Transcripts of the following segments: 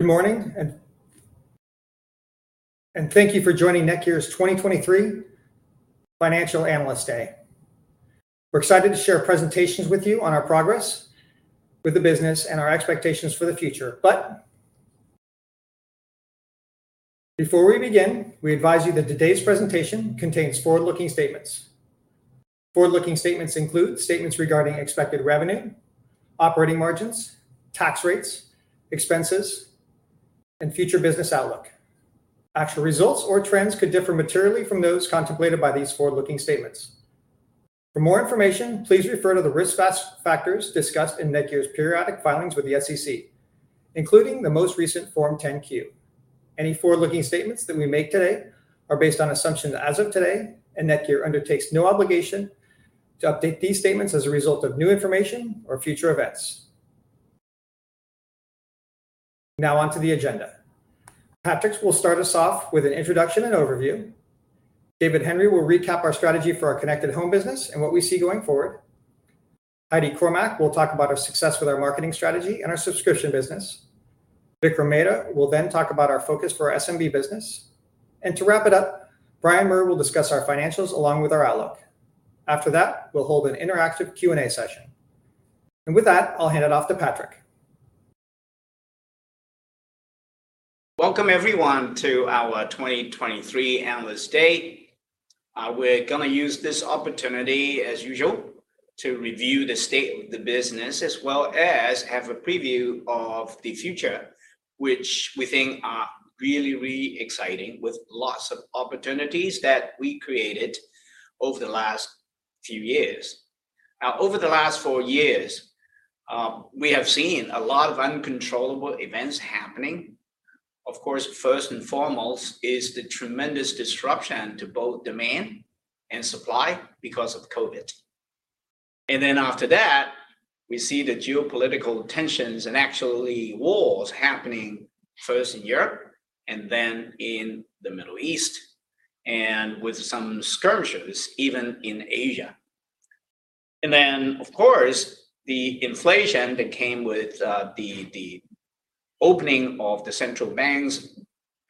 Good morning, and thank you for joining NETGEAR's 2023 Financial Analyst Day. We're excited to share presentations with you on our progress with the business and our expectations for the future. Before we begin, we advise you that today's presentation contains forward-looking statements. Forward-looking statements include statements regarding expected revenue, operating margins, tax rates, expenses, and future business outlook. Actual results or trends could differ materially from those contemplated by these forward-looking statements. For more information, please refer to the risk factors discussed in NETGEAR's periodic filings with the SEC, including the most recent Form 10-Q. Any forward-looking statements that we make today are based on assumptions as of today, and NETGEAR undertakes no obligation to update these statements as a result of new information or future events. Now, onto the agenda. Patrick will start us off with an introduction and overview. David Henry will recap our strategy for our connected home business and what we see going forward. Heidi Cormack will talk about our success with our marketing strategy and our subscription business. Vikram Mehta will then talk about our focus for our SMB business. To wrap it up, Bryan Murray will discuss our financials along with our outlook. After that, we'll hold an interactive Q&A session. With that, I'll hand it off to Patrick. Welcome, everyone, to our 2023 Analyst Day. We're gonna use this opportunity, as usual, to review the state of the business, as well as have a preview of the future, which we think are really, really exciting, with lots of opportunities that we created over the last few years. Now, over the last four years, we have seen a lot of uncontrollable events happening. Of course, first and foremost is the tremendous disruption to both demand and supply because of COVID. And then after that, we see the geopolitical tensions and actually wars happening, first in Europe and then in the Middle East, and with some skirmishes even in Asia. Then, of course, the inflation that came with, the opening of the central banks,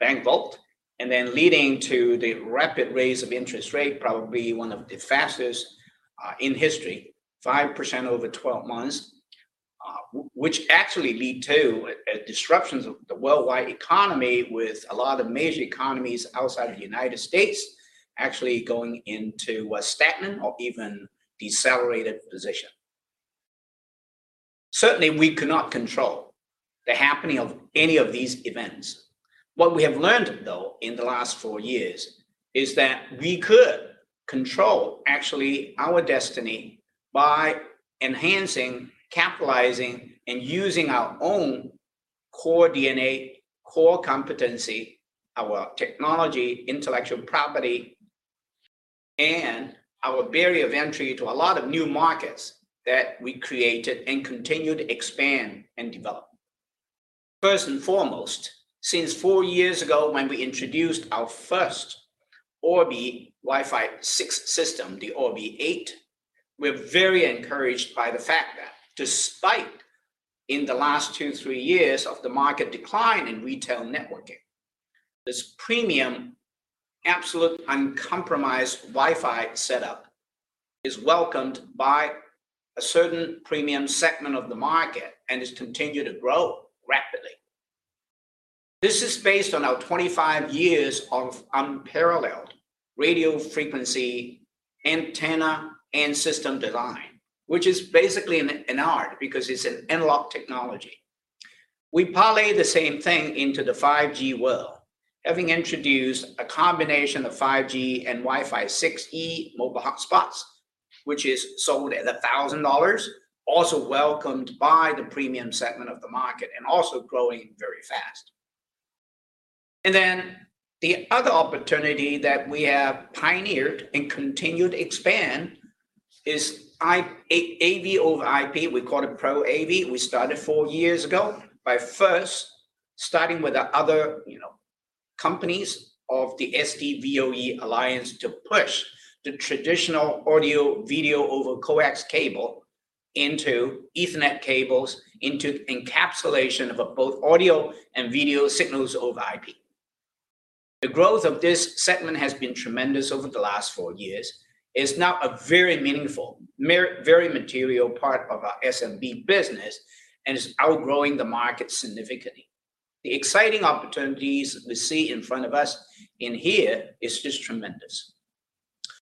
bank vault, and then leading to the rapid raise of interest rate, probably one of the fastest, in history, 5% over 12 months. Which actually lead to, disruptions of the worldwide economy, with a lot of major economies outside of the United States actually going into a stagnant or even decelerated position. Certainly, we could not control the happening of any of these events. What we have learned, though, in the last 4 years, is that we could control actually our destiny by enhancing, capitalizing, and using our own core DNA, core competency, our technology, intellectual property, and our barrier of entry to a lot of new markets that we created and continue to expand and develop. First and foremost, since four years ago when we introduced our first Orbi Wi-Fi 6 system, the Orbi 8, we're very encouraged by the fact that despite in the last 2-3 years of the market decline in retail networking, this premium, absolute, uncompromised Wi-Fi setup is welcomed by a certain premium segment of the market and has continued to grow rapidly. This is based on our 25 years of unparalleled radio frequency, antenna, and system design, which is basically an art because it's an analog technology. We parlay the same thing into the 5G world, having introduced a combination of 5G and Wi-Fi 6E mobile hotspots, which is sold at $1,000, also welcomed by the premium segment of the market and also growing very fast. And then, the other opportunity that we have pioneered and continued to expand is Pro AV over IP. We call it Pro AV. We started four years ago by first starting with the other, you know, companies of the SDVoE Alliance to push the traditional audio video over coax cable into Ethernet cables, into encapsulation of both audio and video signals over IP. The growth of this segment has been tremendous over the last four years. It's now a very meaningful, very material part of our SMB business and is outgrowing the market significantly. The exciting opportunities we see in front of us in here is just tremendous.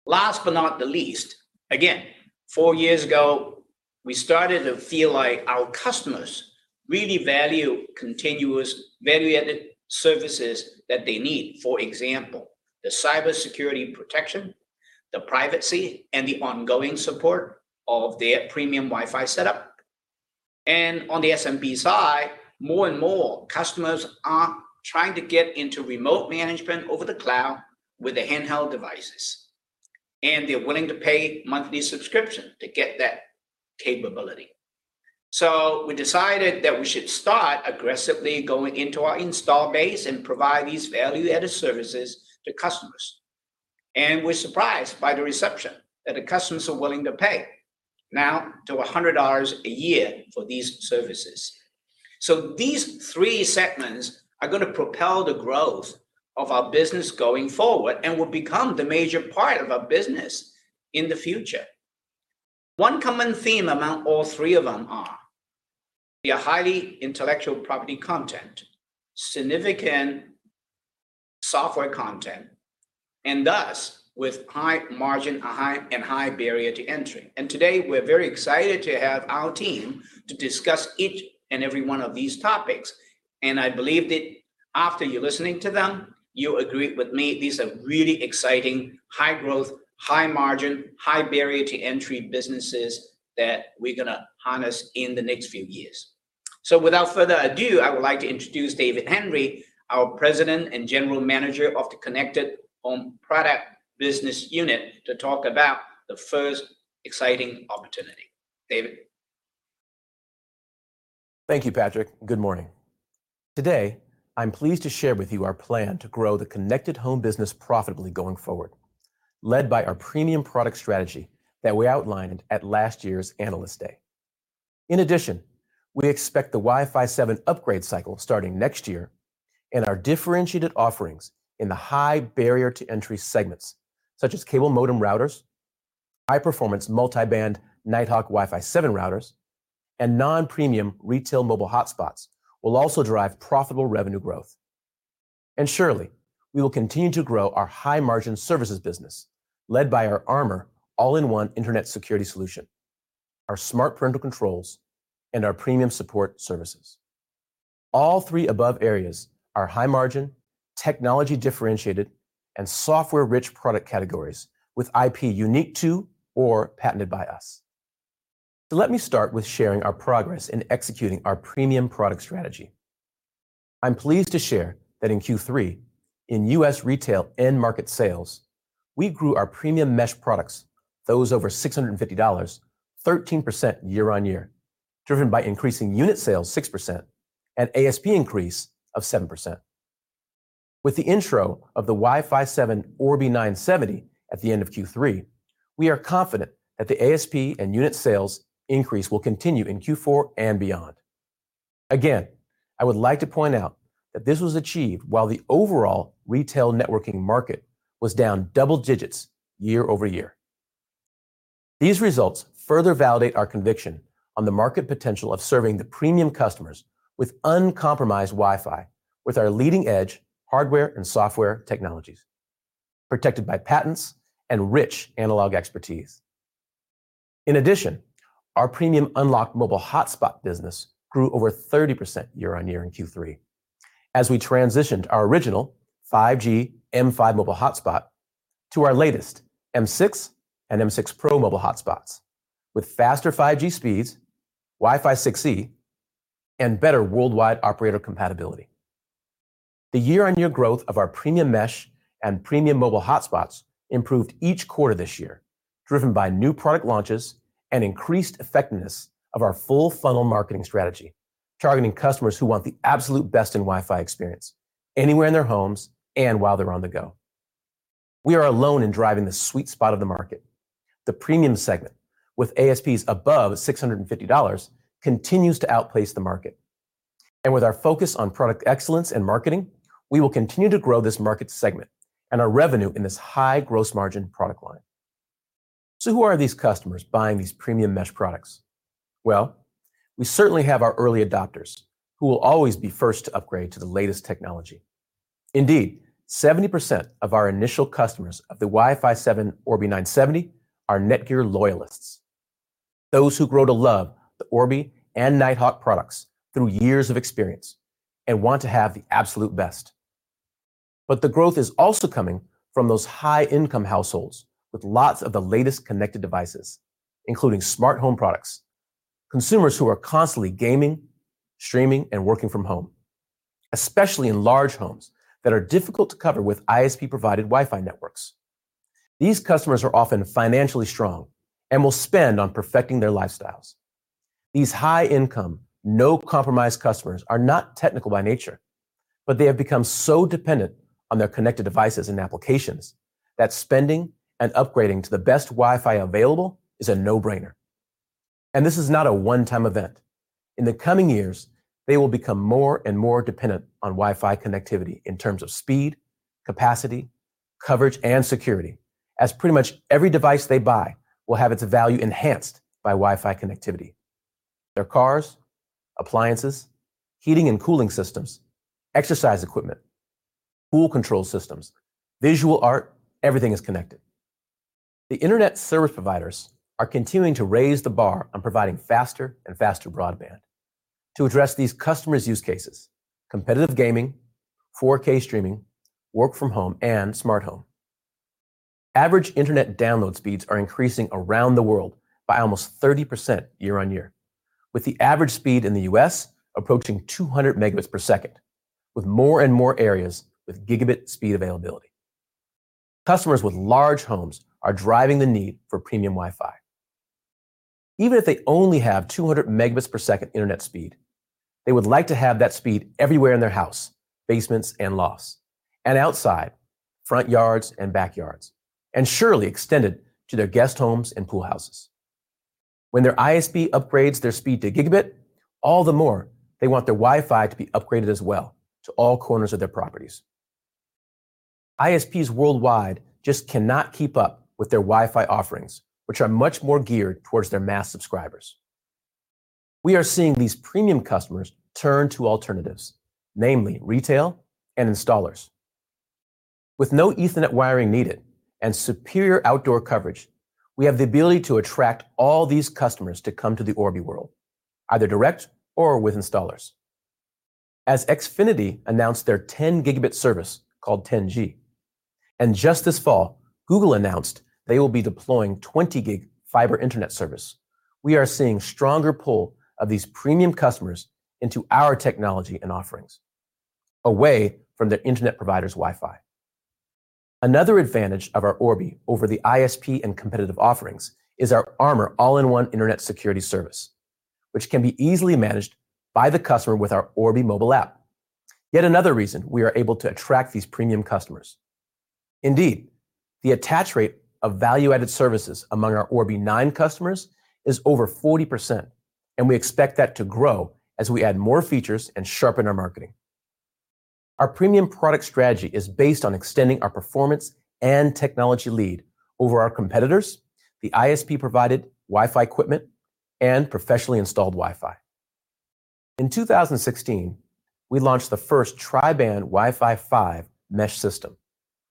Last but not the least, again, four years ago, we started to feel like our customers really value continuous, value-added services that they need. For example, the cybersecurity protection, the privacy, and the ongoing support of their premium Wi-Fi setup. On the SMB side, more and more customers are trying to get into remote management over the cloud with their handheld devices, and they're willing to pay monthly subscription to get that capability. We decided that we should start aggressively going into our install base and provide these value-added services to customers. We're surprised by the reception, that the customers are willing to pay now to $100 a year for these services. These three segments are going to propel the growth of our business going forward, and will become the major part of our business in the future. One common theme among all three of them are the highly intellectual property content, significant software content, and thus, with high margin, a high, and high barrier to entry. Today, we're very excited to have our team to discuss each and every one of these topics, and I believe that after you listening to them, you agree with me; these are really exciting, high growth, high margin, high barrier to entry businesses that we're going to harness in the next few years. So without further ado, I would like to introduce David Henry, our President and General Manager of the Connected Home Product business unit, to talk about the first exciting opportunity. David? Thank you, Patrick. Good morning. Today, I'm pleased to share with you our plan to grow the connected home business profitably going forward, led by our premium product strategy that we outlined at last year's Analyst Day. In addition, we expect the Wi-Fi 7 upgrade cycle starting next year and our differentiated offerings in the high barrier to entry segments, such as cable modem routers, high-performance multi-band Nighthawk Wi-Fi 7 routers, and non-premium retail mobile hotspots, will also drive profitable revenue growth. Surely, we will continue to grow our high-margin services business, led by our Armor all-in-one internet security solution, our Smart Parental Controls, and our premium support services. All three above areas are high margin, technology differentiated, and software-rich product categories with IP unique to or patented by us. Let me start with sharing our progress in executing our premium product strategy. I'm pleased to share that in Q3, in U.S. retail end market sales, we grew our premium Mesh products, those over $650, 13% year-over-year, driven by increasing unit sales 6% and ASP increase of 7%. With the intro of the Wi-Fi 7 Orbi 970 at the end of Q3, we are confident that the ASP and unit sales increase will continue in Q4 and beyond. Again, I would like to point out that this was achieved while the overall retail networking market was down double digits year-over-year. These results further validate our conviction on the market potential of serving the premium customers with uncompromised Wi-Fi, with our leading-edge hardware and software technologies, protected by patents and rich analog expertise. In addition, our premium unlocked mobile hotspot business grew over 30% year-on-year in Q3, as we transitioned our original 5G M5 mobile hotspot to our latest M6 and M6 Pro mobile hotspots with faster 5G speeds, Wi-Fi 6E, and better worldwide operator compatibility. The year-on-year growth of our premium Mesh and premium mobile hotspots improved each quarter this year, driven by new product launches and increased effectiveness of our full funnel marketing strategy, targeting customers who want the absolute best in Wi-Fi experience anywhere in their homes and while they're on the go. We are alone in driving the sweet spot of the market. The premium segment, with ASPs above $650, continues to outpace the market. And with our focus on product excellence and marketing, we will continue to grow this market segment and our revenue in this high gross margin product line. So who are these customers buying these premium Mesh products? Well, we certainly have our early adopters, who will always be first to upgrade to the latest technology. Indeed, 70% of our initial customers of the Wi-Fi 7 Orbi 970 are NETGEAR loyalists, those who grow to love the Orbi and Nighthawk products through years of experience and want to have the absolute best. But the growth is also coming from those high-income households with lots of the latest connected devices, including smart home products, consumers who are constantly gaming, streaming, and working from home, especially in large homes that are difficult to cover with ISP-provided Wi-Fi networks. These customers are often financially strong and will spend on perfecting their lifestyles. These high-income, no-compromise customers are not technical by nature, but they have become so dependent on their connected devices and applications that spending and upgrading to the best Wi-Fi available is a no-brainer. This is not a one-time event. In the coming years, they will become more and more dependent on Wi-Fi connectivity in terms of speed, capacity, coverage, and security, as pretty much every device they buy will have its value enhanced by Wi-Fi connectivity: their cars, appliances, heating and cooling systems, exercise equipment, pool control systems, visual art, everything is connected. The internet service providers are continuing to raise the bar on providing faster and faster broadband to address these customers' use cases: competitive gaming, 4K streaming, work from home, and smart home. Average internet download speeds are increasing around the world by almost 30% year-over-year, with the average speed in the U.S. approaching 200 Mbps, with more and more areas with gigabit speed availability. Customers with large homes are driving the need for premium Wi-Fi.... Even if they only have 200 Mbps internet speed, they would like to have that speed everywhere in their house, basements, and lofts, and outside, front yards and backyards, and surely extended to their guest homes and pool houses. When their ISP upgrades their speed to gigabit, all the more, they want their Wi-Fi to be upgraded as well to all corners of their properties. ISPs worldwide just cannot keep up with their Wi-Fi offerings, which are much more geared towards their mass subscribers. We are seeing these premium customers turn to alternatives, namely retail and installers. With no Ethernet wiring needed and superior outdoor coverage, we have the ability to attract all these customers to come to the Orbi world, either direct or with installers. As Xfinity announced their 10-gigabit service, called xFi, and just this fall, Google announced they will be deploying 20-gig fiber internet service, we are seeing stronger pull of these premium customers into our technology and offerings, away from their internet provider's Wi-Fi. Another advantage of our Orbi over the ISP and competitive offerings is our Armor all-in-one internet security service, which can be easily managed by the customer with our Orbi mobile app. Yet another reason we are able to attract these premium customers. Indeed, the attach rate of value-added services among our Orbi 9 customers is over 40%, and we expect that to grow as we add more features and sharpen our marketing. Our premium product strategy is based on extending our performance and technology lead over our competitors, the ISP-provided Wi-Fi equipment, and professionally installed Wi-Fi. In 2016, we launched the first Tri-Band Wi-Fi 5 Mesh System,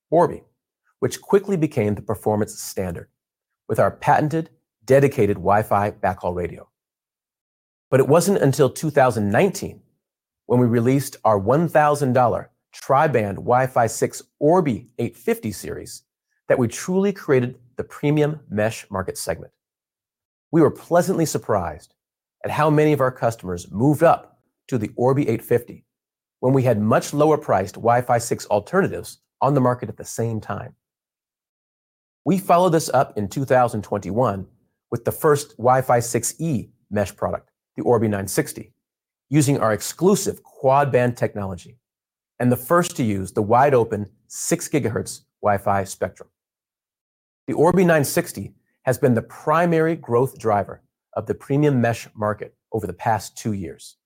Orbi, which quickly became the performance standard with our patented dedicated Wi-Fi backhaul radio. But it wasn't until 2019 when we released our $1,000 Tri-Band Wi-Fi 6 Orbi 850 series, that we truly created the premium Mesh market segment. We were pleasantly surprised at how many of our customers moved up to the Orbi 850 when we had much lower-priced Wi-Fi 6 alternatives on the market at the same time. We followed this up in 2021 with the first Wi-Fi 6E Mesh product, the Orbi 960, using our exclusive Quad-Band Technology and the first to use the wide open 6 GHz Wi-Fi spectrum. The Orbi 960 has been the primary growth driver of the premium Mesh market over the past 2 years.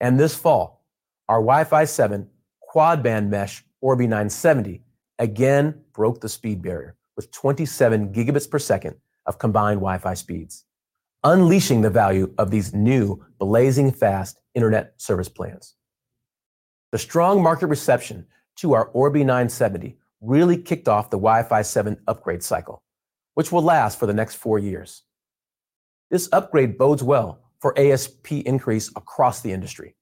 This fall, our Wi-Fi 7 Quad-Band Mesh, Orbi 970, again broke the speed barrier with 27 Gbps of combined Wi-Fi speeds, unleashing the value of these new, blazing-fast internet service plans. The strong market reception to our Orbi 970 really kicked off the Wi-Fi 7 upgrade cycle, which will last for the next 4 years. This upgrade bodes well for ASP increase across the industry.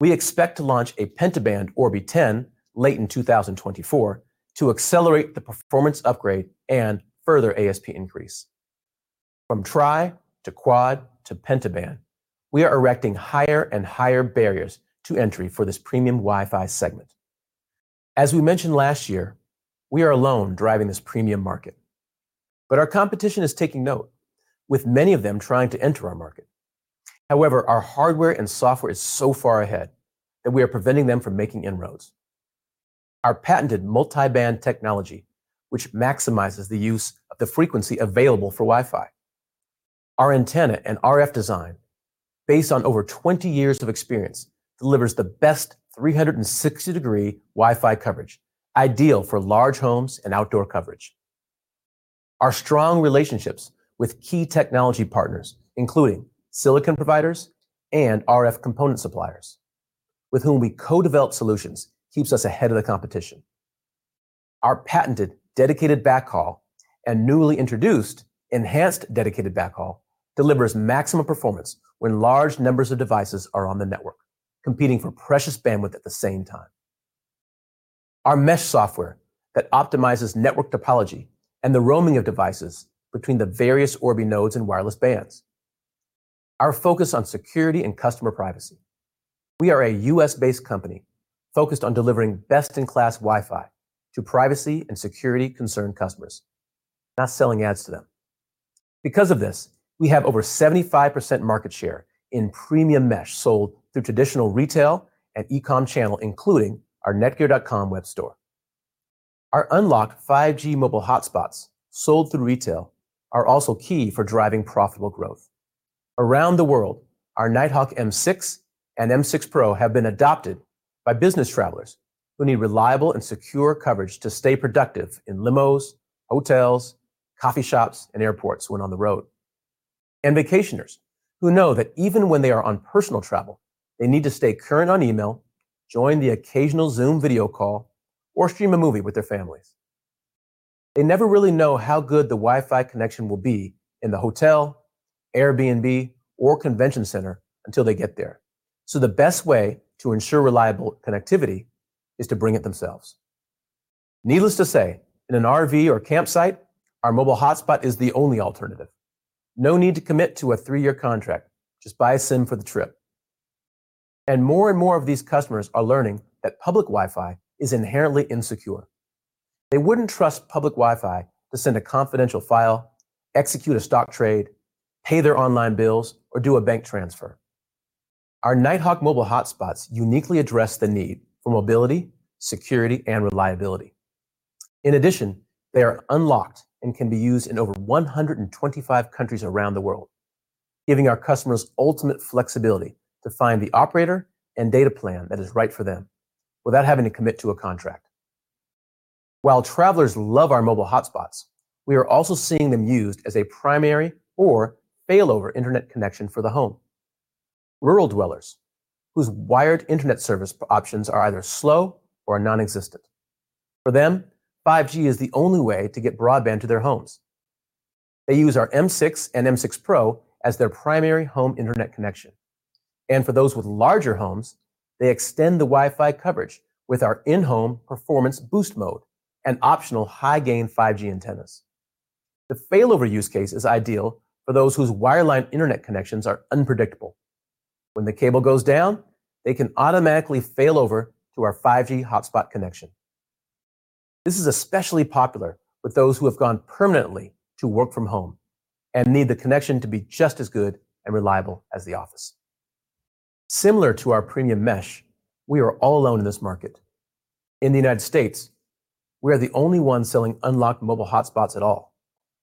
We expect to launch penta-band Orbi 10 late in 2024 to accelerate the performance upgrade and further ASP increase. From Tri to Quad to Penta-Band, we are erecting higher and higher barriers to entry for this premium Wi-Fi segment. As we mentioned last year, we are alone driving this premium market, but our competition is taking note, with many of them trying to enter our market. However, our hardware and software is so far ahead that we are preventing them from making inroads. Our patented multiband technology, which maximizes the use of the frequency available for Wi-Fi. Our antenna and RF design, based on over 20 years of experience, delivers the best 360-degree Wi-Fi coverage, ideal for large homes and outdoor coverage. Our strong relationships with key technology partners, including silicon providers and RF component suppliers, with whom we co-develop solutions, keeps us ahead of the competition. Our patented dedicated backhaul and newly introduced enhanced dedicated backhaul delivers maximum performance when large numbers of devices are on the network, competing for precious bandwidth at the same time. Our Mesh software that optimizes network topology and the roaming of devices between the various Orbi nodes and wireless bands. Our focus on security and customer privacy. We are a U.S.-based company focused on delivering best-in-class Wi-Fi to privacy and security-concerned customers, not selling ads to them. Because of this, we have over 75% market share in premium Mesh sold through traditional retail and e-com channel, including our NETGEAR.com web store. Our unlocked 5G mobile hotspots sold through retail are also key for driving profitable growth. Around the world, our Nighthawk M6 and M6 Pro have been adopted by business travelers who need reliable and secure coverage to stay productive in limos, hotels, coffee shops, and airports when on the road. And vacationers, who know that even when they are on personal travel, they need to stay current on email, join the occasional Zoom video call, or stream a movie with their families. They never really know how good the Wi-Fi connection will be in the hotel, Airbnb, or convention center until they get there. So the best way to ensure reliable connectivity is to bring it themselves. Needless to say, in an RV or campsite, our mobile hotspot is the only alternative. No need to commit to a three-year contract. Just buy a SIM for the trip.... And more and more of these customers are learning that public Wi-Fi is inherently insecure. They wouldn't trust public Wi-Fi to send a confidential file, execute a stock trade, pay their online bills, or do a bank transfer. Our Nighthawk mobile hotspots uniquely address the need for mobility, security, and reliability. In addition, they are unlocked and can be used in over 125 countries around the world, giving our customers ultimate flexibility to find the operator and data plan that is right for them without having to commit to a contract. While travelers love our mobile hotspots, we are also seeing them used as a primary or failover internet connection for the home. Rural dwellers, whose wired internet service options are either slow or nonexistent, for them, 5G is the only way to get broadband to their homes. They use our M6 and M6 Pro as their primary home internet connection, and for those with larger homes, they extend the Wi-Fi coverage with our in-home performance boost mode and optional high-gain 5G antennas. The failover use case is ideal for those whose wireline internet connections are unpredictable. When the cable goes down, they can automatically failover to our 5G hotspot connection. This is especially popular with those who have gone permanently to work from home and need the connection to be just as good and reliable as the office. Similar to our premium Mesh, we are all alone in this market. In the United States, we are the only one selling unlocked mobile hotspots at all,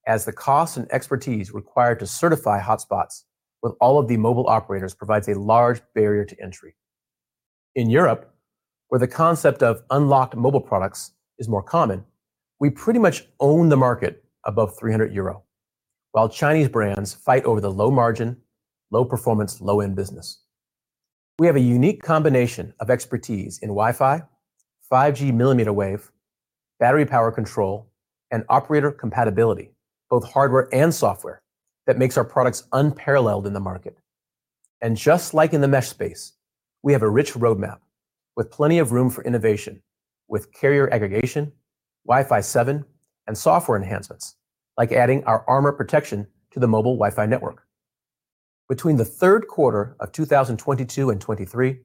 as the cost and expertise required to certify hotspots with all of the mobile operators provides a large barrier to entry. In Europe, where the concept of unlocked mobile products is more common, we pretty much own the market above 300 euro, while Chinese brands fight over the low margin, low performance, low-end business. We have a unique combination of expertise in Wi-Fi, 5G millimeter wave, battery power control, and operator compatibility, both hardware and software, that makes our products unparalleled in the market. And just like in the Mesh space, we have a rich roadmap with plenty of room for innovation, with carrier aggregation, Wi-Fi 7, and software enhancements, like adding our Armor protection to the mobile Wi-Fi network. Between the third quarter of 2022 and 2023,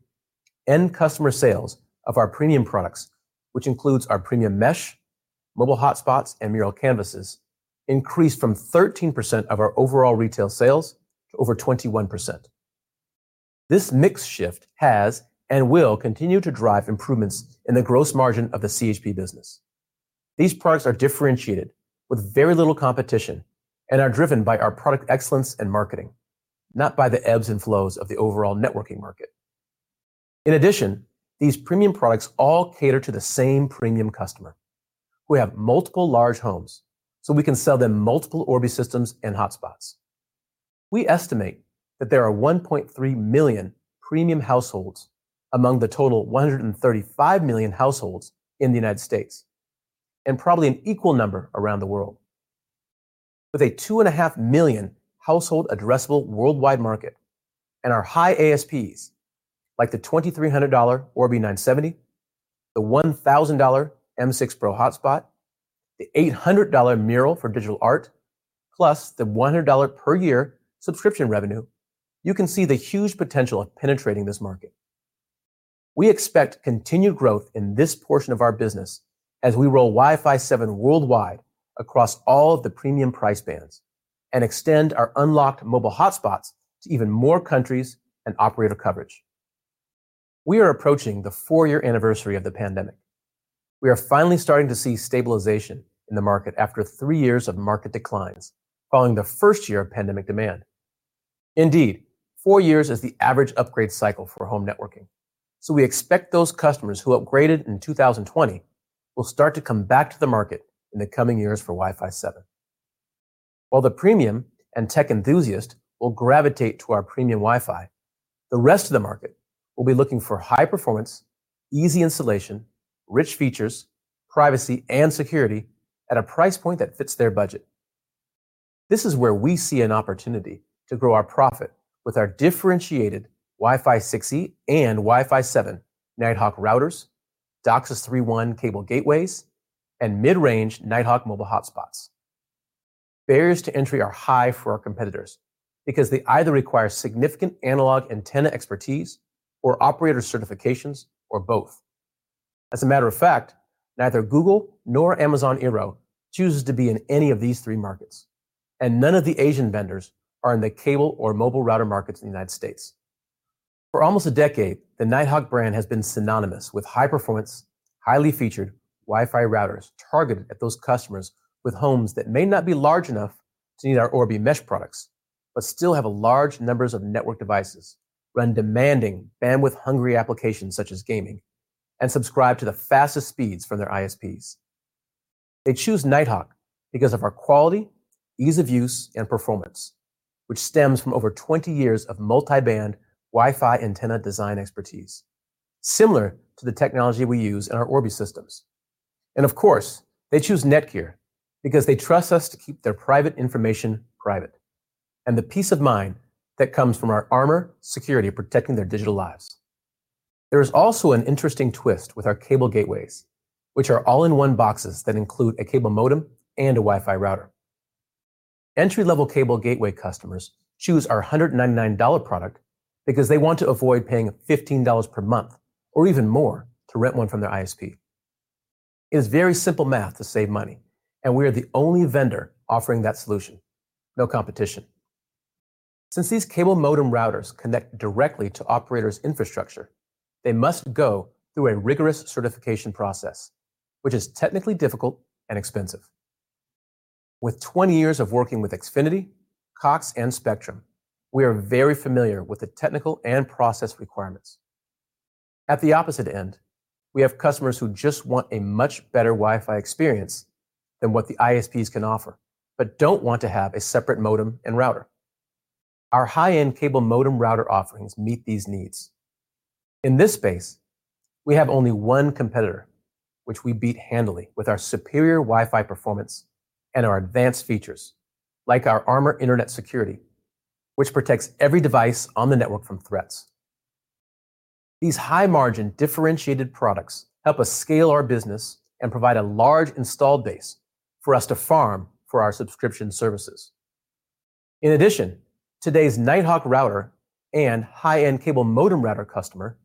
end customer sales of our premium products, which includes our premium Mesh, mobile hotspots, and Meural canvases, increased from 13% of our overall retail sales to over 21%. This mix shift has and will continue to drive improvements in the gross margin of the CHP business. These products are differentiated with very little competition and are driven by our product excellence and marketing, not by the ebbs and flows of the overall networking market. In addition, these premium products all cater to the same premium customer, who have multiple large homes, so we can sell them multiple Orbi systems and hotspots. We estimate that there are 1.3 million premium households among the total 135 million households in the United States, and probably an equal number around the world. With a 2.5 million household addressable worldwide market and our high ASPs, like the $2,300 Orbi 970, the $1,000 M6 Pro hotspot, the $800 Meural for digital art, plus the $100 per year subscription revenue, you can see the huge potential of penetrating this market. We expect continued growth in this portion of our business as we roll Wi-Fi 7 worldwide across all of the premium price bands and extend our unlocked mobile hotspots to even more countries and operator coverage. We are approaching the four-year anniversary of the pandemic. We are finally starting to see stabilization in the market after three years of market declines, following the first year of pandemic demand. Indeed, four years is the average upgrade cycle for home networking, so we expect those customers who upgraded in 2020 will start to come back to the market in the coming years for Wi-Fi 7. While the premium and tech enthusiast will gravitate to our premium Wi-Fi, the rest of the market will be looking for high performance, easy installation, rich features, privacy, and security at a price point that fits their budget. This is where we see an opportunity to grow our profit with our differentiated Wi-Fi 6E and Wi-Fi 7 Nighthawk routers, DOCSIS 3.1 cable gateways, and mid-range Nighthawk mobile hotspots. Barriers to entry are high for our competitors because they either require significant analog antenna expertise or operator certifications or both. As a matter of fact, neither Google nor Amazon Eero chooses to be in any of these three markets, and none of the Asian vendors are in the cable or mobile router markets in the United States. For almost a decade, the Nighthawk brand has been synonymous with high-performance, highly featured Wi-Fi routers targeted at those customers with homes that may not be large enough to need our Orbi Mesh products, but still have a large numbers of network devices, run demanding, bandwidth-hungry applications such as gaming, and subscribe to the fastest speeds from their ISPs. They choose Nighthawk because of our quality, ease of use, and performance, which stems from over 20 years of multi-band Wi-Fi antenna design expertise, similar to the technology we use in our Orbi systems. Of course, they choose NETGEAR because they trust us to keep their private information private and the peace of mind that comes from our Armor security protecting their digital lives. There is also an interesting twist with our cable gateways, which are all-in-one boxes that include a cable modem and a Wi-Fi router. Entry-level cable gateway customers choose our $199 product because they want to avoid paying $15 per month or even more to rent one from their ISP. It is very simple math to save money, and we are the only vendor offering that solution, no competition. Since these cable modem routers connect directly to operators' infrastructure, they must go through a rigorous certification process, which is technically difficult and expensive. With 20 years of working with Xfinity, Cox, and Spectrum, we are very familiar with the technical and process requirements. At the opposite end, we have customers who just want a much better Wi-Fi experience than what the ISPs can offer, but don't want to have a separate modem and router. Our high-end cable modem router offerings meet these needs. In this space, we have only one competitor, which we beat handily with our superior Wi-Fi performance and our advanced features, like our Armor Internet Security, which protects every device on the network from threats. These high-margin, differentiated products help us scale our business and provide a large installed base for us to farm for our subscription services. In addition, today's Nighthawk router and high-end cable modem router customer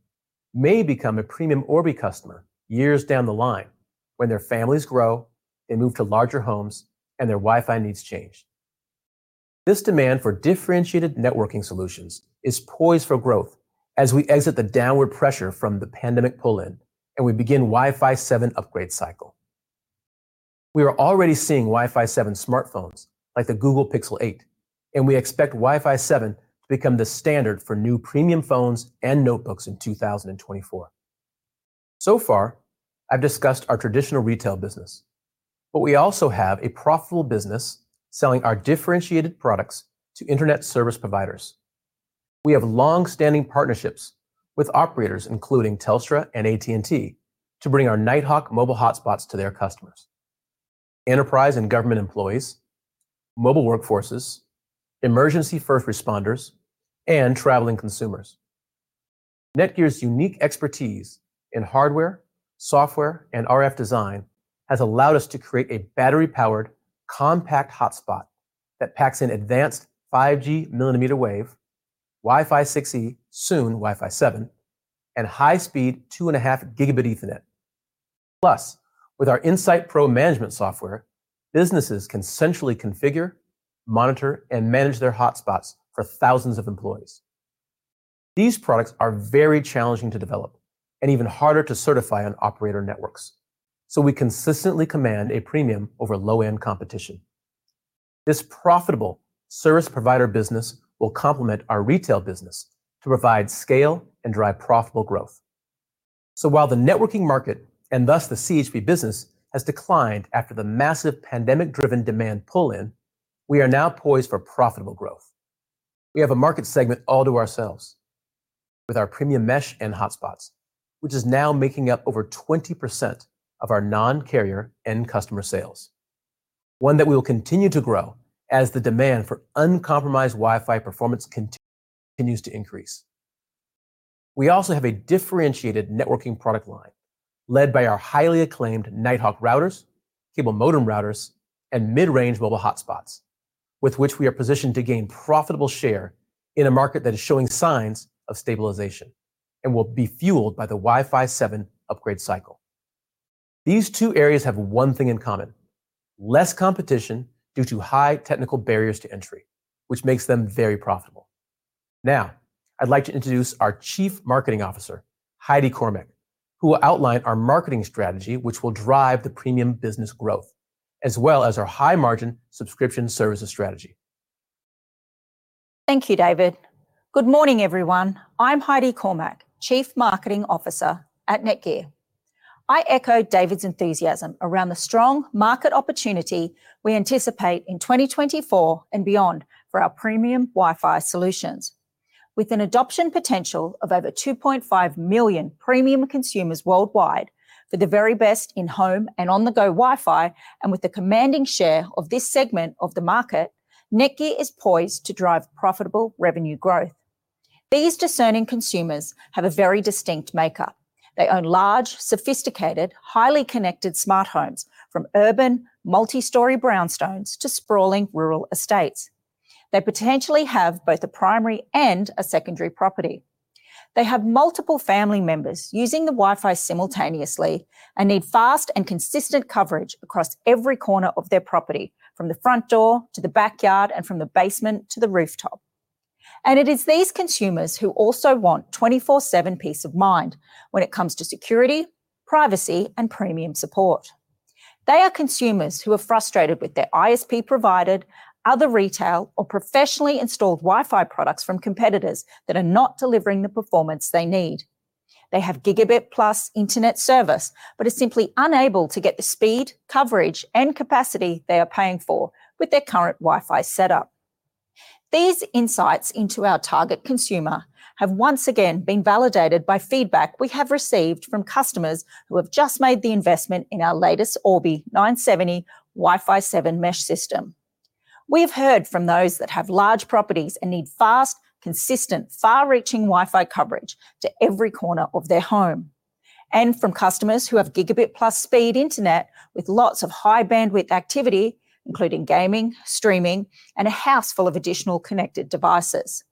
may become a premium Orbi customer years down the line when their families grow, they move to larger homes, and their Wi-Fi needs change. This demand for differentiated networking solutions is poised for growth as we exit the downward pressure from the pandemic pull-in, and we begin Wi-Fi 7 upgrade cycle. We are already seeing Wi-Fi 7 smartphones, like the Google Pixel 8, and we expect Wi-Fi 7 to become the standard for new premium phones and notebooks in 2024. So far, I've discussed our traditional retail business, but we also have a profitable business selling our differentiated products to internet service providers. We have long-standing partnerships with operators, including Telstra and AT&T, to bring our Nighthawk mobile hotspots to their customers, enterprise and government employees, mobile workforces, emergency first responders, and traveling consumers. NETGEAR's unique expertise in hardware, software, and RF design has allowed us to create a battery-powered, compact hotspot that packs an advanced 5G millimeter wave, Wi-Fi 6E, soon Wi-Fi 7, and high-speed 2.5 gigabit Ethernet. Plus, with our Insight Pro management software, businesses can centrally configure, monitor, and manage their hotspots for thousands of employees. These products are very challenging to develop and even harder to certify on operator networks, so we consistently command a premium over low-end competition. This profitable service provider business will complement our retail business to provide scale and drive profitable growth. While the networking market, and thus the CHP business, has declined after the massive pandemic-driven demand pull-in, we are now poised for profitable growth. We have a market segment all to ourselves with our premium Mesh and hotspots, which is now making up over 20% of our non-carrier end customer sales, one that we will continue to grow as the demand for uncompromised Wi-Fi performance continues to increase. We also have a differentiated networking product line led by our highly acclaimed Nighthawk routers, cable modem routers, and mid-range mobile hotspots, with which we are positioned to gain profitable share in a market that is showing signs of stabilization and will be fueled by the Wi-Fi 7 upgrade cycle. These two areas have one thing in common: less competition due to high technical barriers to entry, which makes them very profitable. Now, I'd like to introduce our Chief Marketing Officer, Heidi Cormack, who will outline our marketing strategy, which will drive the premium business growth, as well as our high-margin subscription services strategy. Thank you, David. Good morning, everyone. I'm Heidi Cormack, Chief Marketing Officer at NETGEAR. I echo David's enthusiasm around the strong market opportunity we anticipate in 2024 and beyond for our premium Wi-Fi solutions. With an adoption potential of over 2.5 million premium consumers worldwide for the very best in-home and on-the-go Wi-Fi, and with the commanding share of this segment of the market, NETGEAR is poised to drive profitable revenue growth. These discerning consumers have a very distinct makeup. They own large, sophisticated, highly connected smart homes, from urban, multi-story brownstones to sprawling rural estates. They potentially have both a primary and a secondary property. They have multiple family members using the Wi-Fi simultaneously and need fast and consistent coverage across every corner of their property, from the front door to the backyard and from the basement to the rooftop. And it is these consumers who also want 24/7 peace of mind when it comes to security, privacy, and premium support. They are consumers who are frustrated with their ISP-provided, other retail, or professionally installed Wi-Fi products from competitors that are not delivering the performance they need. They have gigabit-plus internet service, but are simply unable to get the speed, coverage, and capacity they are paying for with their current Wi-Fi setup. These insights into our target consumer have once again been validated by feedback we have received from customers who have just made the investment in our latest Orbi 970 Wi-Fi 7 Mesh System. We have heard from those that have large properties and need fast, consistent, far-reaching Wi-Fi coverage to every corner of their home.... from customers who have gigabit-plus speed internet with lots of high-bandwidth activity, including gaming, streaming, and a house full of additional connected devices.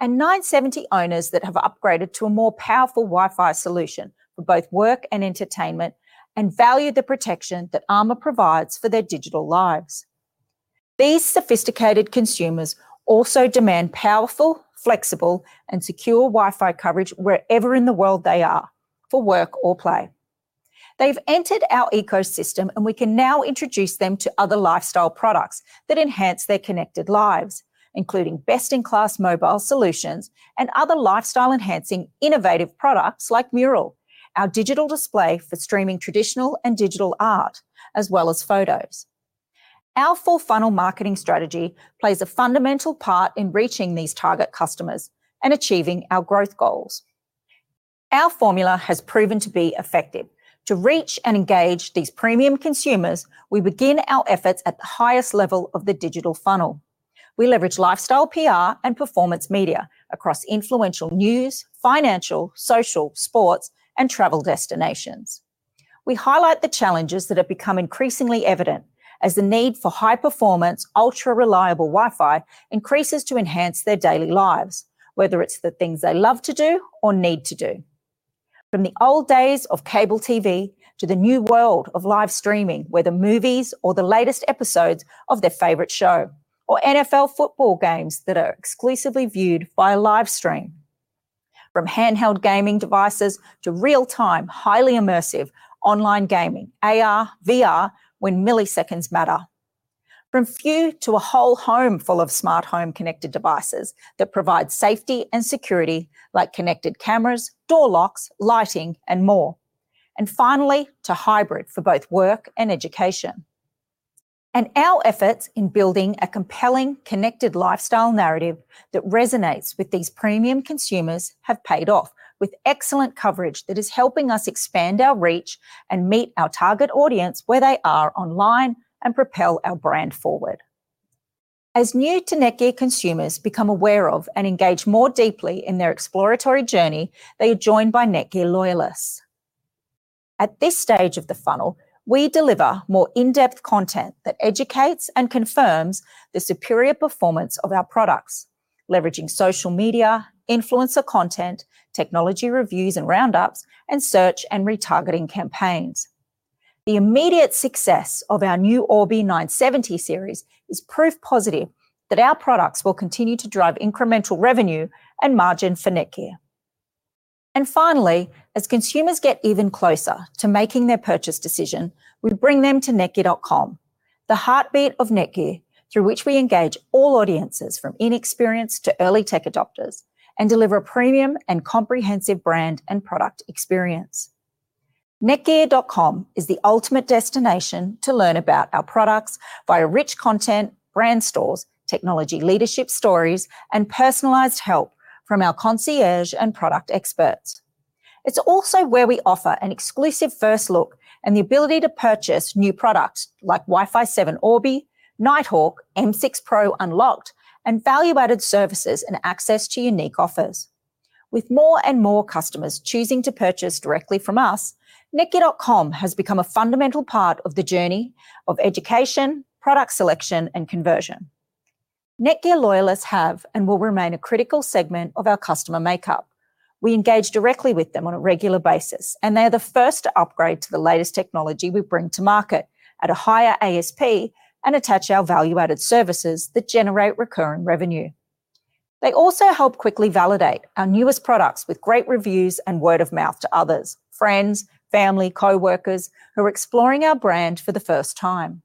Orbi 970 owners that have upgraded to a more powerful Wi-Fi solution for both work and entertainment and value the protection that Armor provides for their digital lives. These sophisticated consumers also demand powerful, flexible, and secure Wi-Fi coverage wherever in the world they are, for work or play. They've entered our ecosystem, and we can now introduce them to other lifestyle products that enhance their connected lives, including best-in-class mobile solutions and other lifestyle-enhancing, innovative products like Meural, our digital display for streaming traditional and digital art, as well as photos. Our full funnel marketing strategy plays a fundamental part in reaching these target customers and achieving our growth goals. Our formula has proven to be effective. To reach and engage these premium consumers, we begin our efforts at the highest level of the digital funnel. We leverage lifestyle PR and performance media across influential news, financial, social, sports, and travel destinations. We highlight the challenges that have become increasingly evident as the need for high-performance, ultra-reliable Wi-Fi increases to enhance their daily lives, whether it's the things they love to do or need to do. From the old days of cable TV to the new world of live streaming, whether movies or the latest episodes of their favorite show, or NFL football games that are exclusively viewed via live stream. From handheld gaming devices to real-time, highly immersive online gaming, AR, VR, when milliseconds matter. From few to a whole home full of smart home connected devices that provide safety and security, like connected cameras, door locks, lighting, and more. Finally, to hybrid for both work and education. Our efforts in building a compelling, connected lifestyle narrative that resonates with these premium consumers have paid off with excellent coverage that is helping us expand our reach and meet our target audience where they are online and propel our brand forward. As new-to-NETGEAR consumers become aware of and engage more deeply in their exploratory journey, they are joined by NETGEAR loyalists. At this stage of the funnel, we deliver more in-depth content that educates and confirms the superior performance of our products, leveraging social media, influencer content, technology reviews and roundups, and search and retargeting campaigns. The immediate success of our new Orbi 970 series is proof positive that our products will continue to drive incremental revenue and margin for NETGEAR. And finally, as consumers get even closer to making their purchase decision, we bring them to NETGEAR.com, the heartbeat of NETGEAR, through which we engage all audiences from inexperienced to early tech adopters, and deliver a premium and comprehensive brand and product experience. NETGEAR.com is the ultimate destination to learn about our products via rich content, brand stores, technology leadership stories, and personalized help from our concierge and product experts. It's also where we offer an exclusive first look and the ability to purchase new products like Wi-Fi 7 Orbi, Nighthawk, M6 Pro Unlocked, and value-added services and access to unique offers. With more and more customers choosing to purchase directly from us, NETGEAR.com has become a fundamental part of the journey of education, product selection, and conversion. NETGEAR loyalists have and will remain a critical segment of our customer makeup. We engage directly with them on a regular basis, and they are the first to upgrade to the latest technology we bring to market at a higher ASP and attach our value-added services that generate recurring revenue. They also help quickly validate our newest products with great reviews and word of mouth to others, friends, family, coworkers, who are exploring our brand for the first time.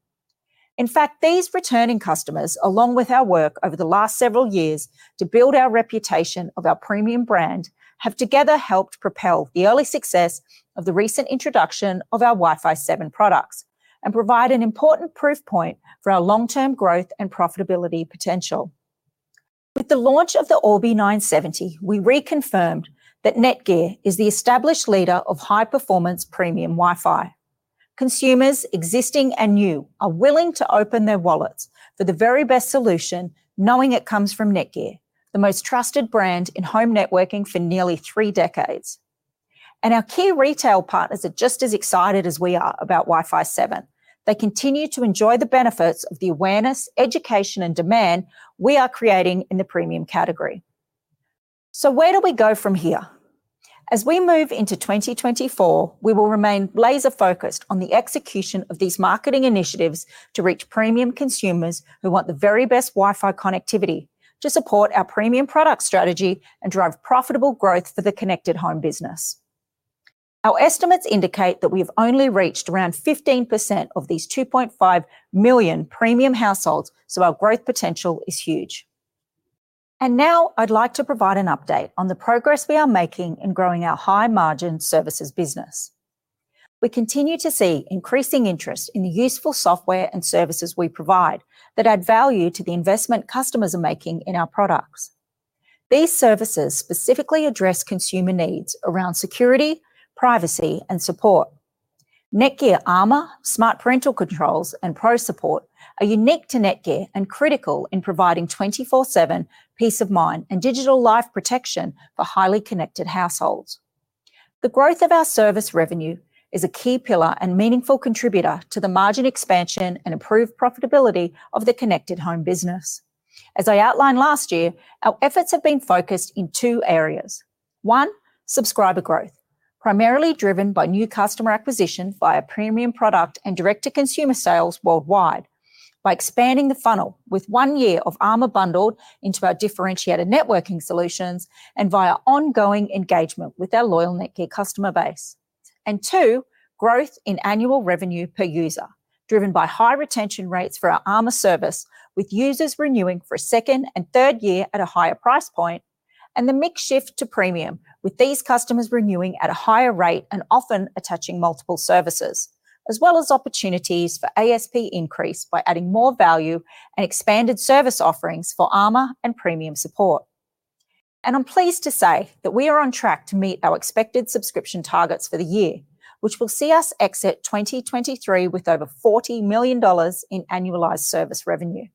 In fact, these returning customers, along with our work over the last several years to build our reputation of our premium brand, have together helped propel the early success of the recent introduction of our Wi-Fi 7 products and provide an important proof point for our long-term growth and profitability potential. With the launch of the Orbi 970, we reconfirmed that NETGEAR is the established leader of high-performance premium Wi-Fi. Consumers, existing and new, are willing to open their wallets for the very best solution, knowing it comes from NETGEAR, the most trusted brand in home networking for nearly three decades. Our key retail partners are just as excited as we are about Wi-Fi 7. They continue to enjoy the benefits of the awareness, education, and demand we are creating in the premium category. Where do we go from here? As we move into 2024, we will remain laser-focused on the execution of these marketing initiatives to reach premium consumers who want the very best Wi-Fi connectivity to support our premium product strategy and drive profitable growth for the connected home business. Our estimates indicate that we have only reached around 15% of these 2.5 million premium households, so our growth potential is huge. Now I'd like to provide an update on the progress we are making in growing our high-margin services business. We continue to see increasing interest in the useful software and services we provide that add value to the investment customers are making in our products. These services specifically address consumer needs around security, privacy, and support... NETGEAR Armor, Smart Parental Controls, and ProSupport are unique to NETGEAR and critical in providing 24/7 peace of mind and digital life protection for highly connected households. The growth of our service revenue is a key pillar and meaningful contributor to the margin expansion and improved profitability of the connected home business. As I outlined last year, our efforts have been focused in two areas. One, subscriber growth, primarily driven by new customer acquisition via premium product and direct-to-consumer sales worldwide by expanding the funnel with one year of Armor bundled into our differentiated networking solutions and via ongoing engagement with our loyal NETGEAR customer base. And two, growth in annual revenue per user, driven by high retention rates for our Armor service, with users renewing for a second and third year at a higher price point, and the mix shift to premium, with these customers renewing at a higher rate and often attaching multiple services, as well as opportunities for ASP increase by adding more value and expanded service offerings for Armor and premium support. I'm pleased to say that we are on track to meet our expected subscription targets for the year, which will see us exit 2023 with over $40 million in annualized service revenue.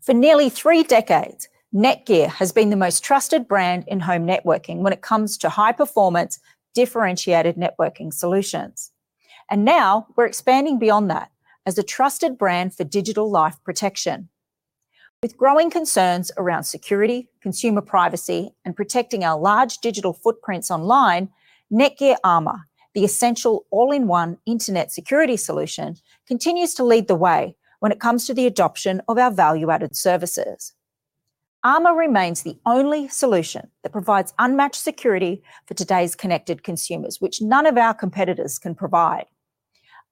For nearly three decades, NETGEAR has been the most trusted brand in home networking when it comes to high-performance, differentiated networking solutions. And now we're expanding beyond that as a trusted brand for digital life protection. With growing concerns around security, consumer privacy, and protecting our large digital footprints online, NETGEAR Armor, the essential all-in-one internet security solution, continues to lead the way when it comes to the adoption of our value-added services. Armor remains the only solution that provides unmatched security for today's connected consumers, which none of our competitors can provide.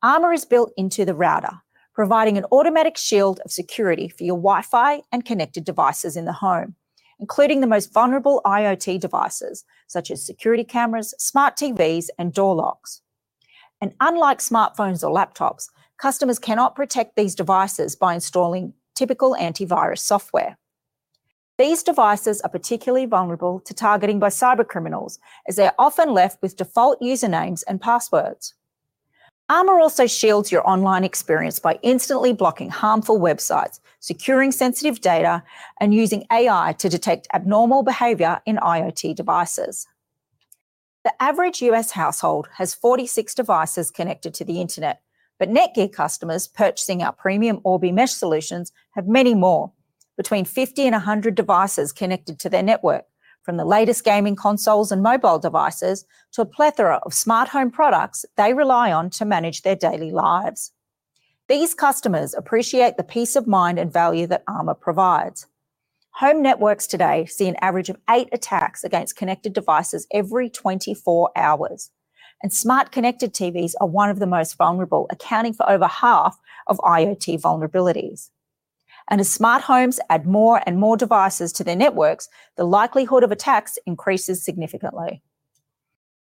Armor is built into the router, providing an automatic shield of security for your Wi-Fi and connected devices in the home, including the most vulnerable IoT devices, such as security cameras, smart TVs, and door locks. Unlike smartphones or laptops, customers cannot protect these devices by installing typical antivirus software. These devices are particularly vulnerable to targeting by cybercriminals, as they are often left with default usernames and passwords. Armor also shields your online experience by instantly blocking harmful websites, securing sensitive data, and using AI to detect abnormal behavior in IoT devices. The average U.S. household has 46 devices connected to the internet, but NETGEAR customers purchasing our premium Orbi Mesh solutions have many more, between 50 and 100 devices connected to their network, from the latest gaming consoles and mobile devices to a plethora of smart home products they rely on to manage their daily lives. These customers appreciate the peace of mind and value that Armor provides. Home networks today see an average of 8 attacks against connected devices every 24 hours, and smart connected TVs are one of the most vulnerable, accounting for over half of IoT vulnerabilities. And as smart homes add more and more devices to their networks, the likelihood of attacks increases significantly.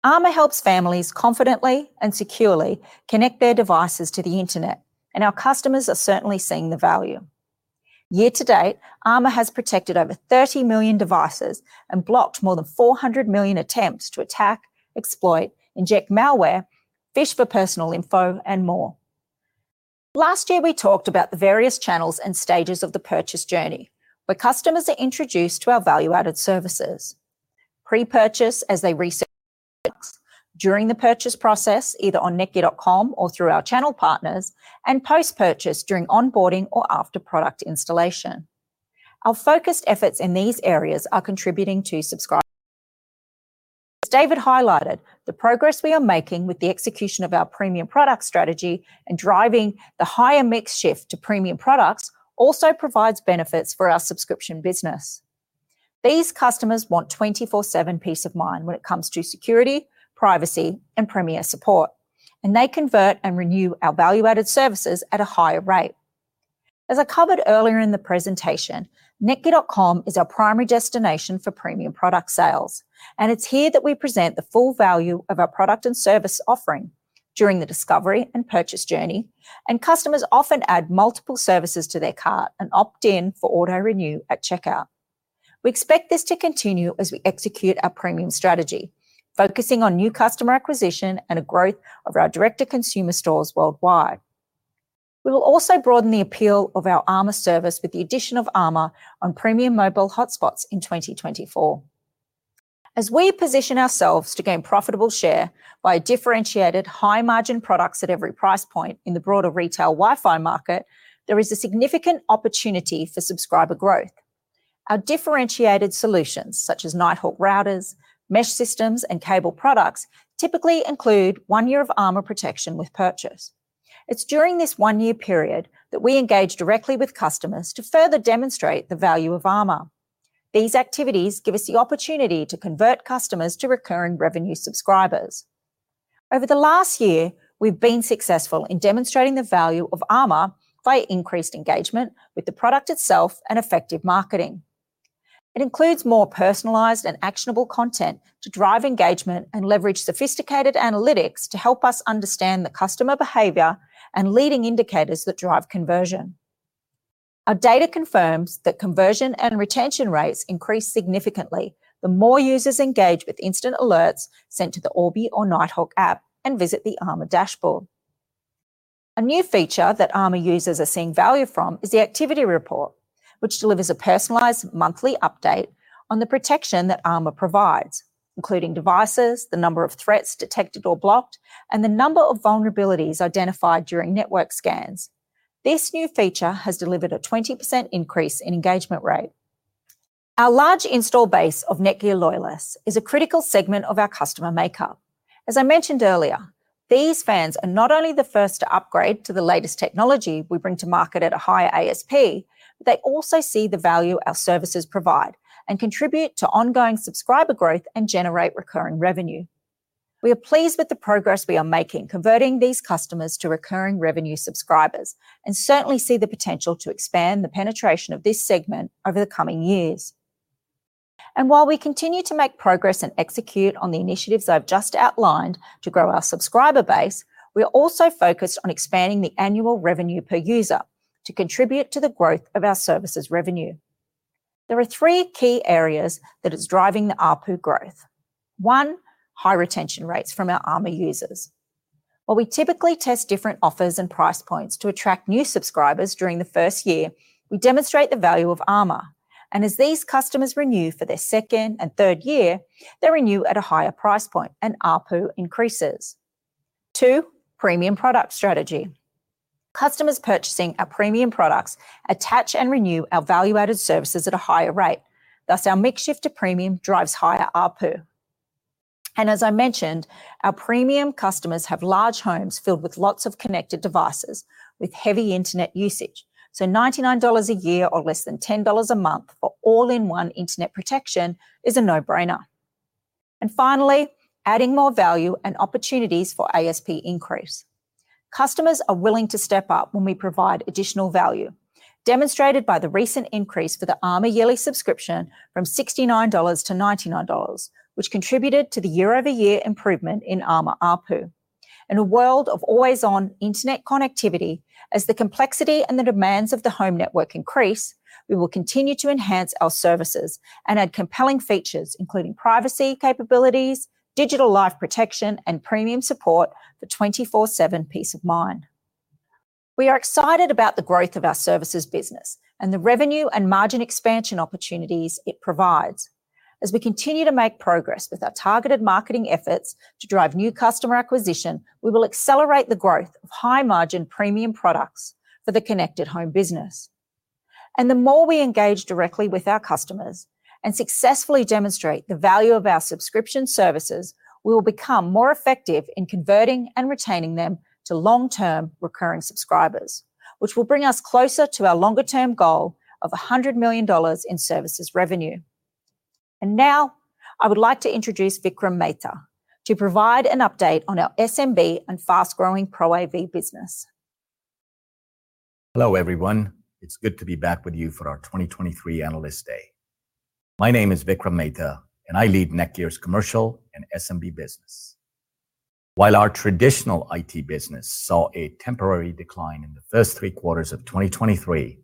Armor helps families confidently and securely connect their devices to the internet, and our customers are certainly seeing the value. Year to date, Armor has protected over 30 million devices and blocked more than 400 million attempts to attack, exploit, inject malware, phish for personal info, and more. Last year, we talked about the various channels and stages of the purchase journey, where customers are introduced to our value-added services: pre-purchase as they research, during the purchase process, either on NETGEAR.com or through our channel partners, and post-purchase during onboarding or after product installation. Our focused efforts in these areas are contributing to subscribers. As David highlighted, the progress we are making with the execution of our premium product strategy and driving the higher mix shift to premium products also provides benefits for our subscription business. These customers want 24/7 peace of mind when it comes to security, privacy, and premier support, and they convert and renew our value-added services at a higher rate. As I covered earlier in the presentation, NETGEAR.com is our primary destination for premium product sales, and it's here that we present the full value of our product and service offering during the discovery and purchase journey, and customers often add multiple services to their cart and opt in for auto-renew at checkout. We expect this to continue as we execute our premium strategy, focusing on new customer acquisition and a growth of our direct-to-consumer stores worldwide. We will also broaden the appeal of our Armor service with the addition of Armor on premium mobile hotspots in 2024. As we position ourselves to gain profitable share by differentiated high-margin products at every price point in the broader retail Wi-Fi market, there is a significant opportunity for subscriber growth. Our differentiated solutions, such as Nighthawk routers, Mesh Systems, and cable products, typically include one year of Armor protection with purchase. It's during this one-year period that we engage directly with customers to further demonstrate the value of Armor. These activities give us the opportunity to convert customers to recurring revenue subscribers. Over the last year, we've been successful in demonstrating the value of Armor by increased engagement with the product itself and effective marketing. It includes more personalized and actionable content to drive engagement and leverage sophisticated analytics to help us understand the customer behavior and leading indicators that drive conversion.... Our data confirms that conversion and retention rates increase significantly the more users engage with instant alerts sent to the Orbi or Nighthawk app and visit the Armor dashboard. A new feature that Armor users are seeing value from is the activity report, which delivers a personalized monthly update on the protection that Armor provides, including devices, the number of threats detected or blocked, and the number of vulnerabilities identified during network scans. This new feature has delivered a 20% increase in engagement rate. Our large install base of NETGEAR loyalists is a critical segment of our customer makeup. As I mentioned earlier, these fans are not only the first to upgrade to the latest technology we bring to market at a higher ASP, but they also see the value our services provide and contribute to ongoing subscriber growth and generate recurring revenue. We are pleased with the progress we are making, converting these customers to recurring revenue subscribers, and certainly see the potential to expand the penetration of this segment over the coming years. While we continue to make progress and execute on the initiatives I've just outlined to grow our subscriber base, we are also focused on expanding the annual revenue per user to contribute to the growth of our services revenue. There are three key areas that is driving the ARPU growth. One, high retention rates from our Armor users. While we typically test different offers and price points to attract new subscribers during the first year, we demonstrate the value of Armor, and as these customers renew for their second and third year, they renew at a higher price point and ARPU increases. Two, premium product strategy. Customers purchasing our premium products attach and renew our value-added services at a higher rate. Thus, our mix shift to premium drives higher ARPU. As I mentioned, our premium customers have large homes filled with lots of connected devices with heavy internet usage, so $99 a year or less than $10 a month for all-in-one internet protection is a no-brainer. Finally, adding more value and opportunities for ASP increase. Customers are willing to step up when we provide additional value, demonstrated by the recent increase for the Armor yearly subscription from $69 to $99, which contributed to the year-over-year improvement in Armor ARPU. In a world of always-on internet connectivity, as the complexity and the demands of the home network increase, we will continue to enhance our services and add compelling features, including privacy capabilities, digital life protection, and premium support for 24/7 peace of mind. We are excited about the growth of our services business and the revenue and margin expansion opportunities it provides. As we continue to make progress with our targeted marketing efforts to drive new customer acquisition, we will accelerate the growth of high-margin premium products for the connected home business. The more we engage directly with our customers and successfully demonstrate the value of our subscription services, we will become more effective in converting and retaining them to long-term recurring subscribers, which will bring us closer to our longer-term goal of $100 million in services revenue. Now, I would like to introduce Vikram Mehta to provide an update on our SMB and fast-growing Pro AV business. Hello, everyone. It's good to be back with you for our 2023 Analyst Day. My name is Vikram Mehta, and I lead NETGEAR's commercial and SMB business. While our traditional IT business saw a temporary decline in the first three quarters of 2023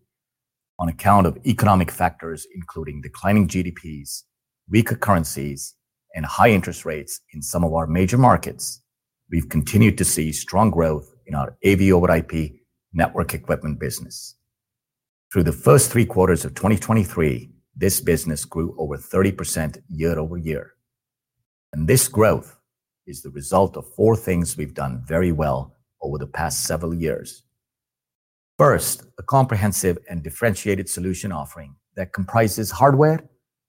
on account of economic factors, including declining GDPs, weaker currencies, and high interest rates in some of our major markets, we've continued to see strong growth in our AV-over-IP network equipment business. Through the first three quarters of 2023, this business grew over 30% year-over-year, and this growth is the result of four things we've done very well over the past several years. First, a comprehensive and differentiated solution offering that comprises hardware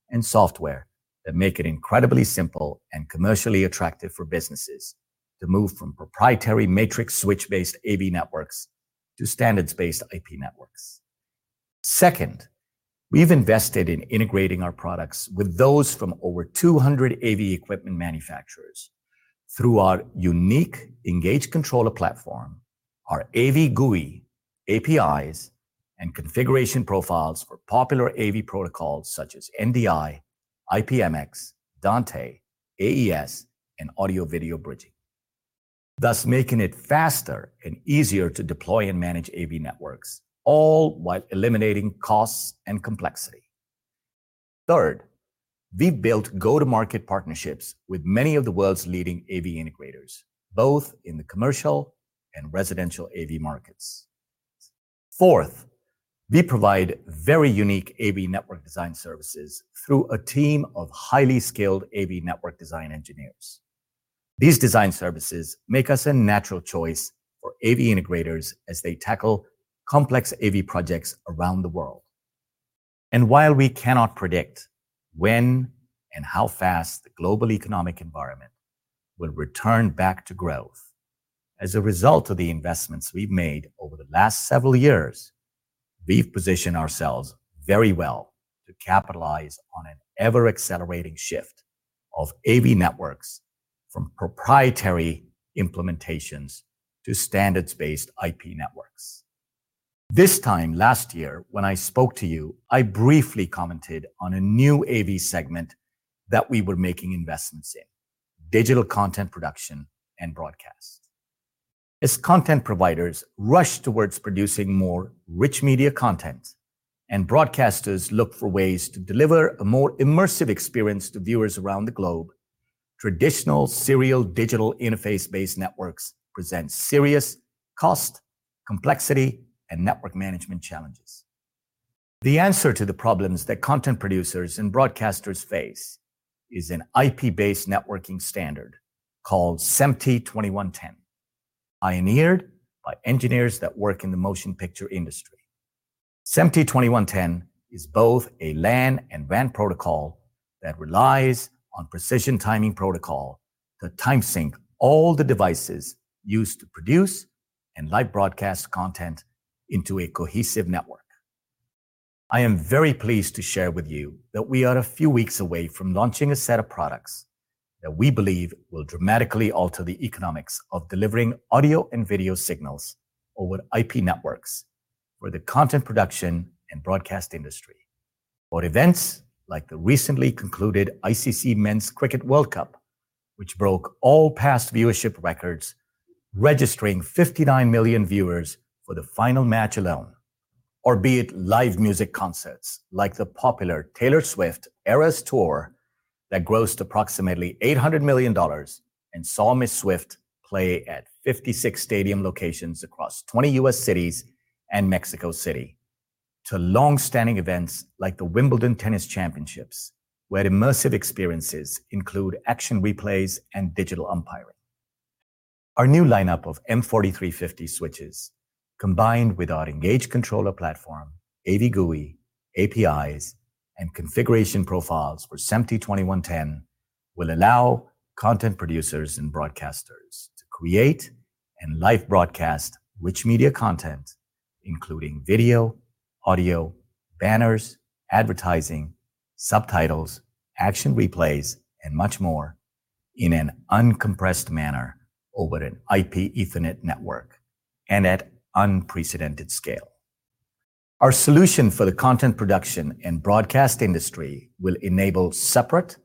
and software that make it incredibly simple and commercially attractive for businesses to move from proprietary matrix switch-based AV networks to standards-based IP networks. Second, we've invested in integrating our products with those from over 200 AV equipment manufacturers through our unique Engage Controller platform, our AV GUI, APIs, and configuration profiles for popular AV protocols such as NDI, IPMX, Dante, AES, and Audio Video Bridging, thus making it faster and easier to deploy and manage AV networks, all while eliminating costs and complexity. Third, we've built go-to-market partnerships with many of the world's leading AV integrators, both in the commercial and residential AV markets. Fourth, we provide very unique AV network design services through a team of highly skilled AV network design engineers. These design services make us a natural choice for AV integrators as they tackle complex AV projects around the world. While we cannot predict when and how fast the global economic environment will return back to growth, as a result of the investments we've made over the last several years, we've positioned ourselves very well to capitalize on an ever-accelerating shift of AV networks from proprietary implementations to standards-based IP networks. This time last year, when I spoke to you, I briefly commented on a new AV segment that we were making investments in, digital content production and broadcast. As content providers rush towards producing more rich media content and broadcasters look for ways to deliver a more immersive experience to viewers around the globe, traditional Serial Digital Interface-based networks present serious cost, complexity, and network management challenges. The answer to the problems that content producers and broadcasters face is an IP-based networking standard called SMPTE ST 2110, pioneered by engineers that work in the motion picture industry. SMPTE 2110 is both a LAN and WAN protocol that relies on Precision Time Protocol to time sync all the devices used to produce and live broadcast content into a cohesive network. I am very pleased to share with you that we are a few weeks away from launching a set of products that we believe will dramatically alter the economics of delivering audio and video signals over IP networks for the content production and broadcast industry. For events like the recently concluded ICC Men's Cricket World Cup, which broke all past viewership records, registering 59 million viewers for the final match alone. Or be it live music concerts, like the popular Taylor Swift Eras Tour that grossed approximately $800 million and saw Miss Swift play at 56 stadium locations across 20 U.S. cities and Mexico City. To long-standing events like the Wimbledon Tennis Championships, where immersive experiences include action replays and digital umpiring. Our new lineup of M4350 switches, combined with our Engage Controller Platform, AV GUI, APIs, and configuration profiles for SMPTE ST 2110, will allow content producers and broadcasters to create and live broadcast rich media content, including video, audio, banners, advertising, subtitles, action replays, and much more in an uncompressed manner over an IP Ethernet network and at unprecedented scale. Our solution for the content production and broadcast industry will enable separate,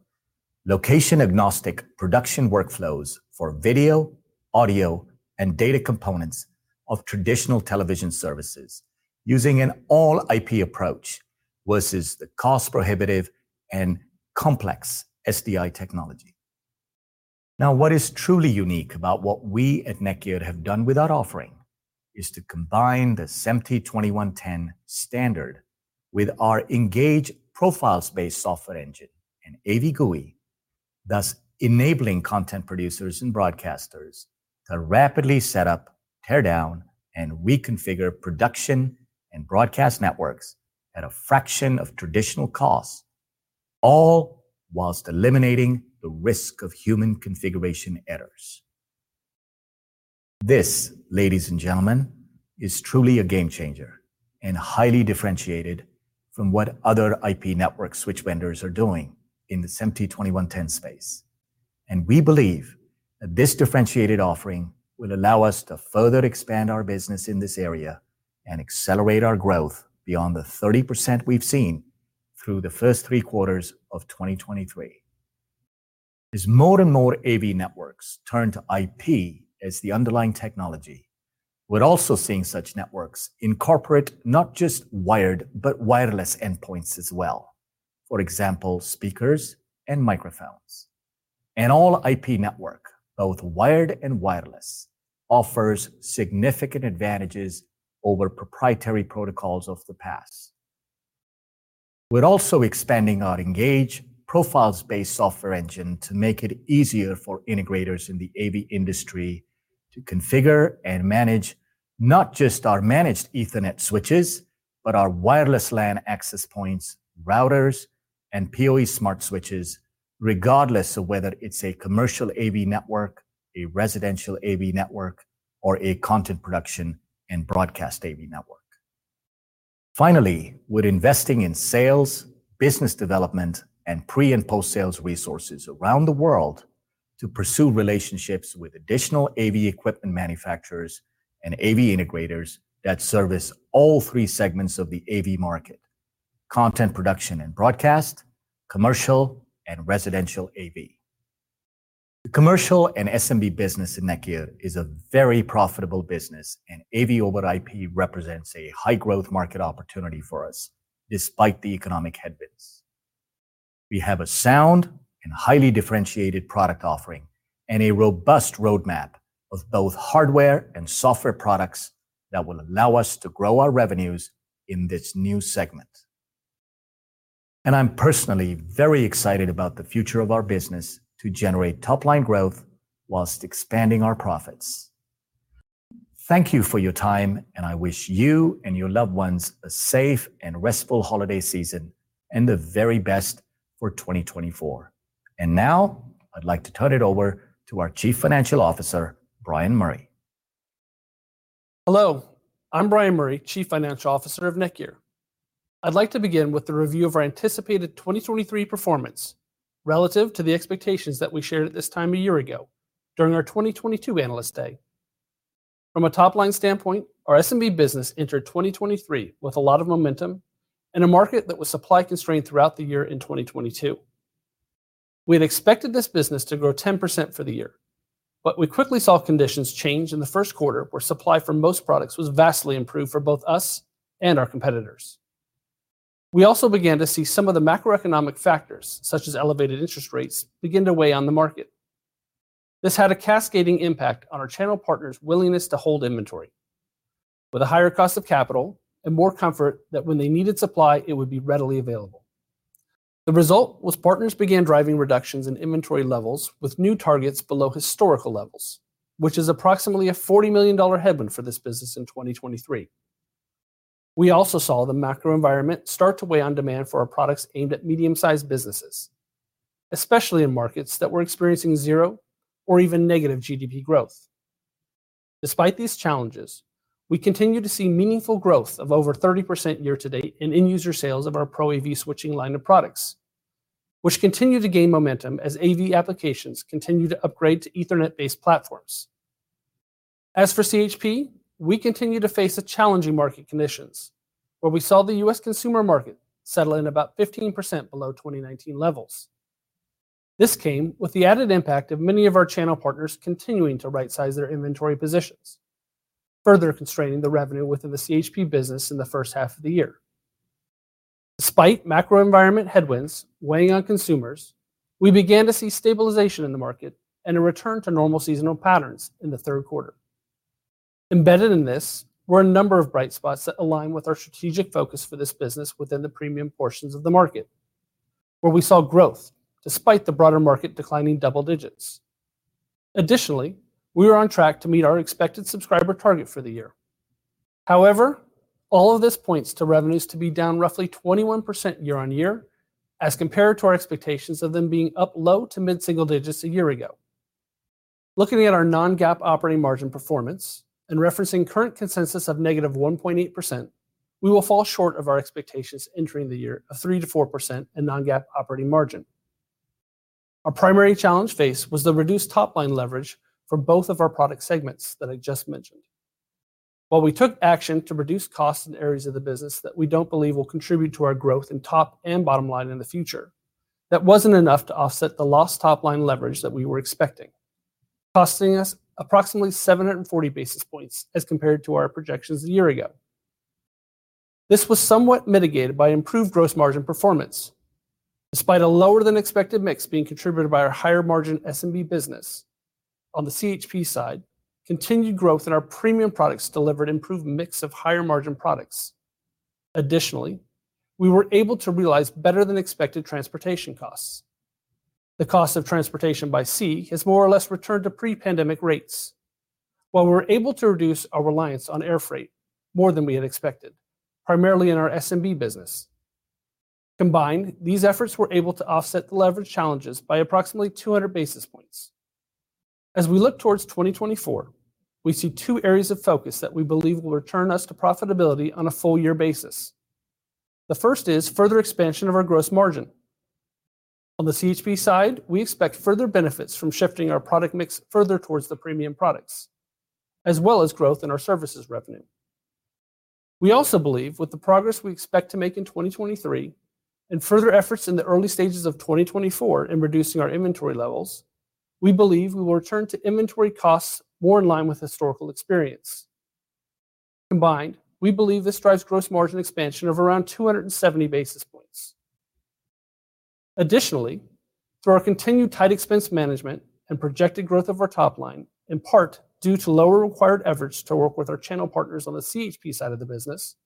location-agnostic production workflows for video, audio, and data components of traditional television services, using an all-IP approach versus the cost prohibitive and complex SDI technology. Now, what is truly unique about what we at NETGEAR have done with our offering is to combine the SMPTE ST 2110 standard with our Engage profile-based software engine and AV GUI, thus enabling content producers and broadcasters to rapidly set up, tear down, and reconfigure production and broadcast networks at a fraction of traditional costs, all while eliminating the risk of human configuration errors. This, ladies and gentlemen, is truly a game changer and highly differentiated from what other IP network switch vendors are doing in the SMPTE ST 2110 space. We believe that this differentiated offering will allow us to further expand our business in this area and accelerate our growth beyond the 30% we've seen through the first three quarters of 2023. As more and more AV networks turn to IP as the underlying technology, we're also seeing such networks incorporate not just wired, but wireless endpoints as well. For example, speakers and microphones. An all-IP network, both wired and wireless, offers significant advantages over proprietary protocols of the past. We're also expanding our Engage profiles-based software engine to make it easier for integrators in the AV industry to configure and manage not just our managed Ethernet switches, but our wireless LAN access points, routers, and PoE smart switches, regardless of whether it's a commercial AV network, a residential AV network, or a content production and broadcast AV network. Finally, we're investing in sales, business development, and pre- and post-sales resources around the world to pursue relationships with additional AV equipment manufacturers and AV integrators that service all three segments of the AV market: content production and broadcast, commercial, and residential AV. The commercial and SMB business in NETGEAR is a very profitable business, and AV over IP represents a high-growth market opportunity for us, despite the economic headwinds. We have a sound and highly differentiated product offering and a robust roadmap of both hardware and software products that will allow us to grow our revenues in this new segment. I'm personally very excited about the future of our business to generate top-line growth while expanding our profits. Thank you for your time, and I wish you and your loved ones a safe and restful holiday season and the very best for 2024. Now I'd like to turn it over to our Chief Financial Officer, Bryan Murray. Hello, I'm Bryan Murray, Chief Financial Officer of NETGEAR. I'd like to begin with a review of our anticipated 2023 performance relative to the expectations that we shared at this time a year ago during our 2022 Analyst Day. From a top-line standpoint, our SMB business entered 2023 with a lot of momentum in a market that was supply constrained throughout the year in 2022.... We had expected this business to grow 10% for the year, but we quickly saw conditions change in the first quarter, where supply for most products was vastly improved for both us and our competitors. We also began to see some of the macroeconomic factors, such as elevated interest rates, begin to weigh on the market. This had a cascading impact on our channel partners' willingness to hold inventory, with a higher cost of capital and more comfort that when they needed supply, it would be readily available. The result was partners began driving reductions in inventory levels with new targets below historical levels, which is approximately a $40 million headwind for this business in 2023. We also saw the macro environment start to weigh on demand for our products aimed at medium-sized businesses, especially in markets that were experiencing 0 or even negative GDP growth. Despite these challenges, we continue to see meaningful growth of over 30% year to date in end user sales of our Pro AV switching line of products, which continue to gain momentum as AV applications continue to upgrade to Ethernet-based platforms. As for CHP, we continue to face a challenging market conditions, where we saw the U.S. consumer market settle in about 15% below 2019 levels. This came with the added impact of many of our channel partners continuing to rightsize their inventory positions, further constraining the revenue within the CHP business in the first half of the year. Despite macro environment headwinds weighing on consumers, we began to see stabilization in the market and a return to normal seasonal patterns in the third quarter. Embedded in this were a number of bright spots that align with our strategic focus for this business within the premium portions of the market, where we saw growth despite the broader market declining double digits. Additionally, we are on track to meet our expected subscriber target for the year. However, all of this points to revenues to be down roughly 21% year-on-year, as compared to our expectations of them being up low- to mid-single digits a year ago. Looking at our non-GAAP operating margin performance and referencing current consensus of -1.8%, we will fall short of our expectations entering the year of 3%-4% in non-GAAP operating margin. Our primary challenge faced was the reduced top-line leverage for both of our product segments that I just mentioned. While we took action to reduce costs in areas of the business that we don't believe will contribute to our growth in top and bottom line in the future, that wasn't enough to offset the lost top-line leverage that we were expecting, costing us approximately 740 basis points as compared to our projections a year ago. This was somewhat mitigated by improved gross margin performance, despite a lower-than-expected mix being contributed by our higher margin SMB business. On the CHP side, continued growth in our premium products delivered improved mix of higher margin products. Additionally, we were able to realize better than expected transportation costs. The cost of transportation by sea has more or less returned to pre-pandemic rates. While we were able to reduce our reliance on air freight more than we had expected, primarily in our SMB business, combined, these efforts were able to offset the leverage challenges by approximately 200 basis points. As we look toward 2024, we see two areas of focus that we believe will return us to profitability on a full year basis. The first is further expansion of our gross margin. On the CHP side, we expect further benefits from shifting our product mix further towards the premium products, as well as growth in our services revenue. We also believe with the progress we expect to make in 2023 and further efforts in the early stages of 2024 in reducing our inventory levels, we believe we will return to inventory costs more in line with historical experience. Combined, we believe this drives gross margin expansion of around 270 basis points. Additionally, through our continued tight expense management and projected growth of our top line, in part due to lower required efforts to work with our channel partners on the CHP side of the business,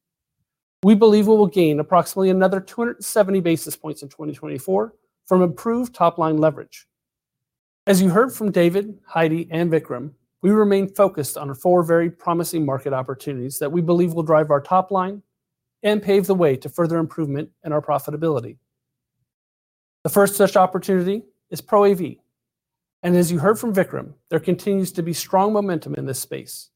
we believe we will gain approximately another 270 basis points in 2024 from improved top-line leverage. As you heard from David, Heidi, and Vikram, we remain focused on our four very promising market opportunities that we believe will drive our top line and pave the way to further improvement in our profitability. The first such opportunity is Pro AV, and as you heard from Vikram, there continues to be strong momentum in this space,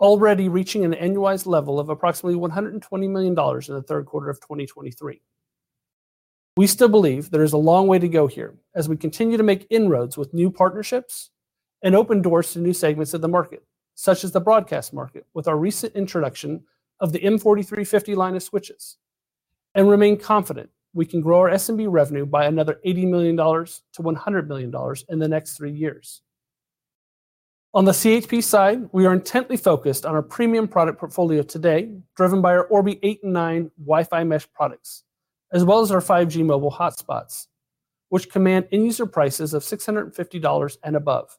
already reaching an annualized level of approximately $120 million in the third quarter of 2023. We still believe there is a long way to go here as we continue to make inroads with new partnerships and open doors to new segments of the market, such as the broadcast market, with our recent introduction of the M4350 line of switches, and remain confident we can grow our SMB revenue by another $80 million to $100 million in the next three years. On the CHP side, we are intently focused on our premium product portfolio today, driven by our Orbi 8 and 9 Wi-Fi Mesh products, as well as our 5G mobile hotspots, which command end user prices of $650 and above.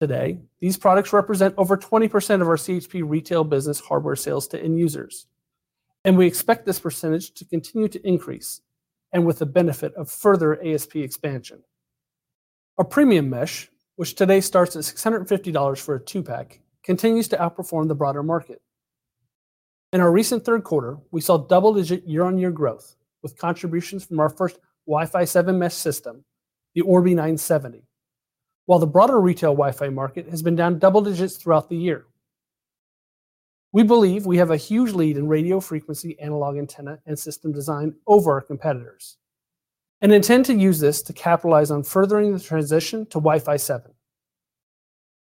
Today, these products represent over 20% of our CHP retail business hardware sales to end users, and we expect this percentage to continue to increase and with the benefit of further ASP expansion. Our premium Mesh, which today starts at $650 for a two-pack, continues to outperform the broader market. In our recent third quarter, we saw double-digit year-on-year growth, with contributions from our first Wi-Fi 7 Mesh System, the Orbi 970. While the broader retail Wi-Fi market has been down double digits throughout the year, we believe we have a huge lead in radio frequency, analog, antenna, and system design over our competitors and intend to use this to capitalize on furthering the transition to Wi-Fi 7.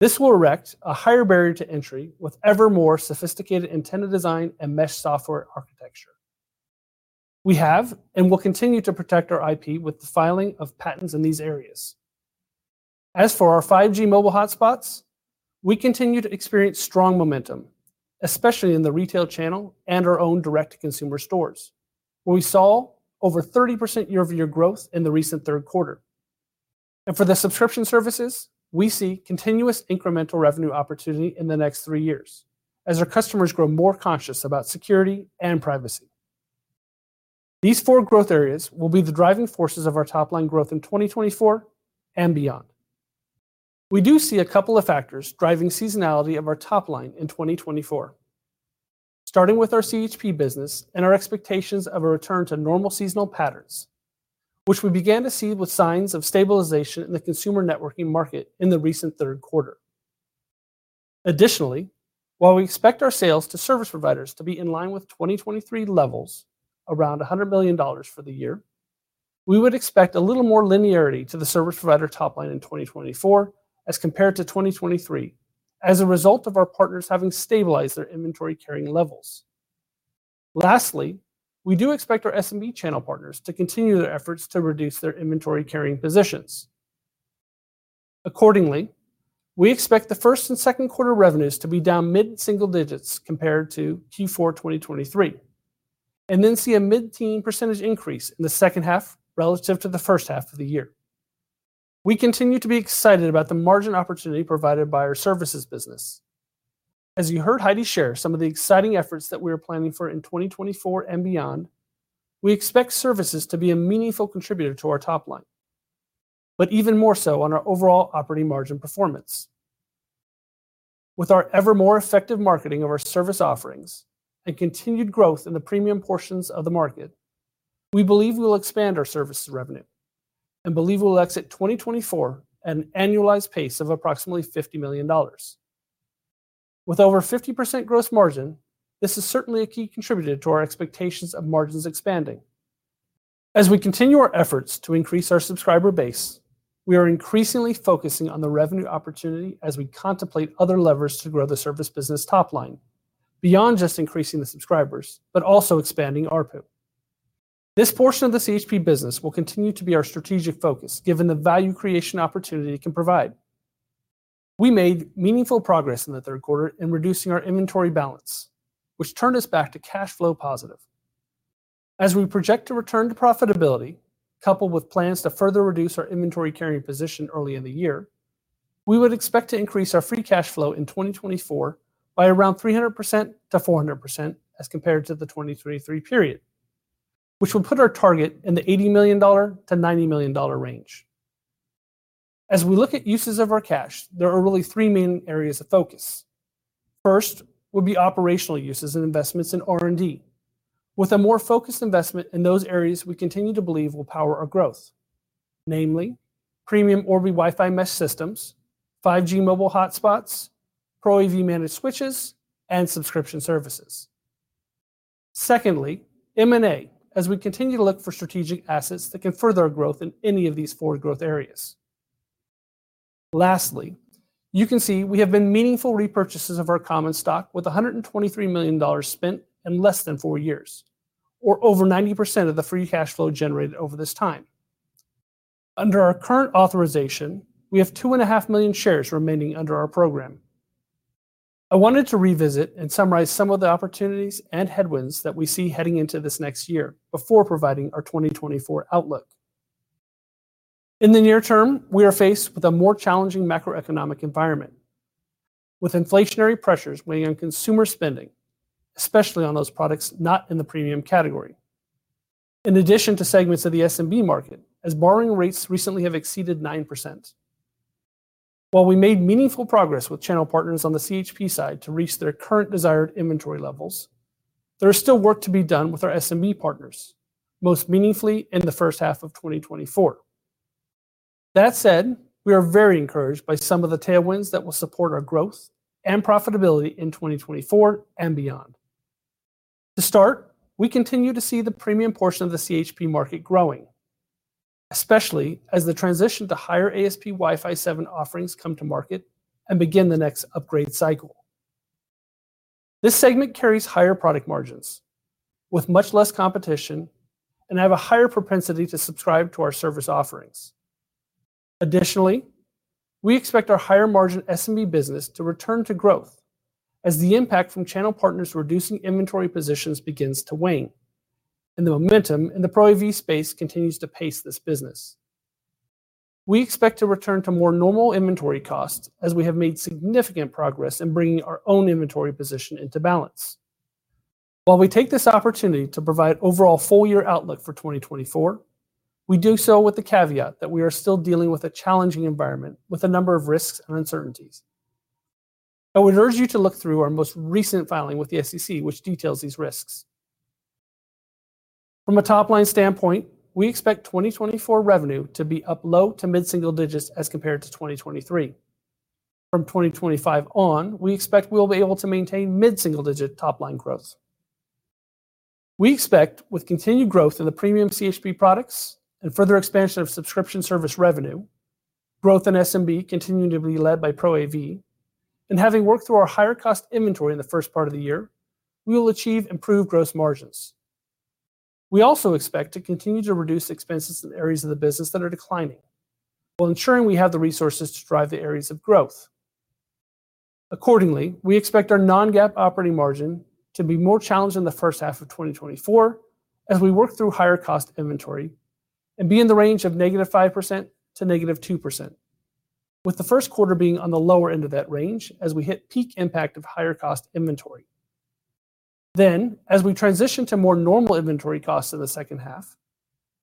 This will erect a higher barrier to entry with ever more sophisticated antenna design and Mesh software architecture. We have and will continue to protect our IP with the filing of patents in these areas. As for our 5G mobile hotspots, we continue to experience strong momentum, especially in the retail channel and our own direct-to-consumer stores, where we saw over 30% year-over-year growth in the recent third quarter. And for the subscription services, we see continuous incremental revenue opportunity in the next 3 years as our customers grow more conscious about security and privacy. These four growth areas will be the driving forces of our top-line growth in 2024 and beyond. We do see a couple of factors driving seasonality of our top line in 2024, starting with our CHP business and our expectations of a return to normal seasonal patterns, which we began to see with signs of stabilization in the consumer networking market in the recent third quarter. Additionally, while we expect our sales to service providers to be in line with 2023 levels, around $100 million for the year, we would expect a little more linearity to the service provider top line in 2024 as compared to 2023, as a result of our partners having stabilized their inventory carrying levels. Lastly, we do expect our SMB channel partners to continue their efforts to reduce their inventory carrying positions. Accordingly, we expect the first and second quarter revenues to be down mid-single digits compared to Q4 2023, and then see a mid-teen % increase in the second half relative to the first half of the year. We continue to be excited about the margin opportunity provided by our services business. As you heard Heidi share some of the exciting efforts that we are planning for in 2024 and beyond, we expect services to be a meaningful contributor to our top line, but even more so on our overall operating margin performance. With our ever more effective marketing of our service offerings and continued growth in the premium portions of the market, we believe we will expand our services revenue and believe we will exit 2024 at an annualized pace of approximately $50 million. With over 50% gross margin, this is certainly a key contributor to our expectations of margins expanding. As we continue our efforts to increase our subscriber base, we are increasingly focusing on the revenue opportunity as we contemplate other levers to grow the service business top line, beyond just increasing the subscribers, but also expanding ARPU. This portion of the CHP business will continue to be our strategic focus, given the value creation opportunity it can provide. We made meaningful progress in the third quarter in reducing our inventory balance, which turned us back to cash flow positive. As we project to return to profitability, coupled with plans to further reduce our inventory carrying position early in the year, we would expect to increase our free cash flow in 2024 by around 300%-400% as compared to the 2023 period, which will put our target in the $80 million-$90 million range. As we look at uses of our cash, there are really three main areas of focus. First, would be operational uses and investments in R&D, with a more focused investment in those areas we continue to believe will power our growth. Namely, premium Orbi Wi-Fi Mesh Systems, 5G mobile hotspots, Pro AV managed switches, and subscription services. Secondly, M&A, as we continue to look for strategic assets that can further our growth in any of these four growth areas. Lastly, you can see we have been meaningful repurchases of our common stock with $123 million spent in less than four years, or over 90% of the free cash flow generated over this time. Under our current authorization, we have 2.5 million shares remaining under our program. I wanted to revisit and summarize some of the opportunities and headwinds that we see heading into this next year before providing our 2024 outlook. In the near term, we are faced with a more challenging macroeconomic environment, with inflationary pressures weighing on consumer spending, especially on those products not in the premium category. In addition to segments of the SMB market, as borrowing rates recently have exceeded 9%. While we made meaningful progress with channel partners on the CHP side to reach their current desired inventory levels, there is still work to be done with our SMB partners, most meaningfully in the first half of 2024. That said, we are very encouraged by some of the tailwinds that will support our growth and profitability in 2024 and beyond. To start, we continue to see the premium portion of the CHP market growing, especially as the transition to higher ASP Wi-Fi 7 offerings come to market and begin the next upgrade cycle. This segment carries higher product margins with much less competition and have a higher propensity to subscribe to our service offerings. Additionally, we expect our higher margin SMB business to return to growth as the impact from channel partners reducing inventory positions begins to wane, and the momentum in the ProAV space continues to pace this business. We expect to return to more normal inventory costs as we have made significant progress in bringing our own inventory position into balance. While we take this opportunity to provide overall full year outlook for 2024, we do so with the caveat that we are still dealing with a challenging environment with a number of risks and uncertainties. I would urge you to look through our most recent filing with the SEC, which details these risks. From a top-line standpoint, we expect 2024 revenue to be up low- to mid-single digits as compared to 2023. From 2025 on, we expect we will be able to maintain mid-single-digit top-line growth.... We expect with continued growth in the premium CHP products and further expansion of subscription service revenue, growth in SMB continuing to be led by ProAV, and having worked through our higher cost inventory in the first part of the year, we will achieve improved gross margins. We also expect to continue to reduce expenses in areas of the business that are declining, while ensuring we have the resources to drive the areas of growth. Accordingly, we expect our Non-GAAP operating margin to be more challenged in the first half of 2024 as we work through higher cost inventory and be in the range of -5% to -2%, with the first quarter being on the lower end of that range as we hit peak impact of higher cost inventory. Then, as we transition to more normal inventory costs in the second half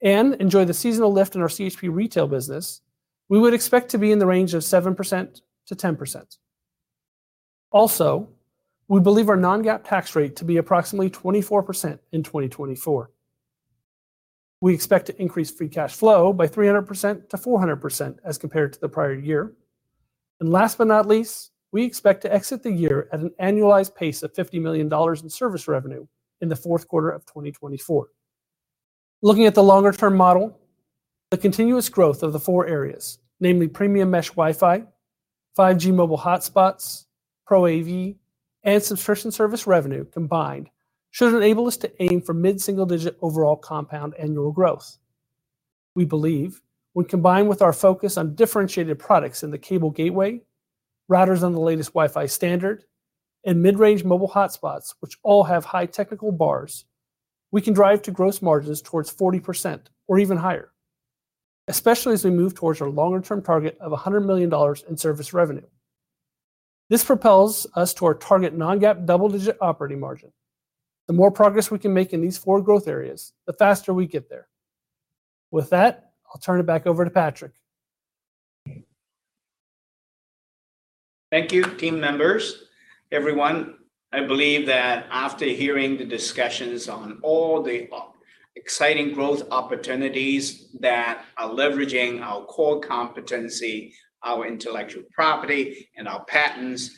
and enjoy the seasonal lift in our CHP retail business, we would expect to be in the range of 7%-10%. Also, we believe our non-GAAP tax rate to be approximately 24% in 2024. We expect to increase free cash flow by 300%-400% as compared to the prior year. And last but not least, we expect to exit the year at an annualized pace of $50 million in service revenue in the fourth quarter of 2024. Looking at the longer-term model, the continuous growth of the four areas, namely premium Mesh Wi-Fi, 5G mobile hotspots, ProAV, and subscription service revenue combined, should enable us to aim for mid-single-digit overall compound annual growth. We believe when combined with our focus on differentiated products in the cable gateway, routers on the latest Wi-Fi standard, and mid-range mobile hotspots, which all have high technical bars, we can drive to gross margins towards 40% or even higher, especially as we move towards our longer-term target of $100 million in service revenue. This propels us to our target non-GAAP double-digit operating margin. The more progress we can make in these four growth areas, the faster we get there. With that, I'll turn it back over to Patrick. Thank you, team members. Everyone, I believe that after hearing the discussions on all the exciting growth opportunities that are leveraging our core competency, our intellectual property, and our patents,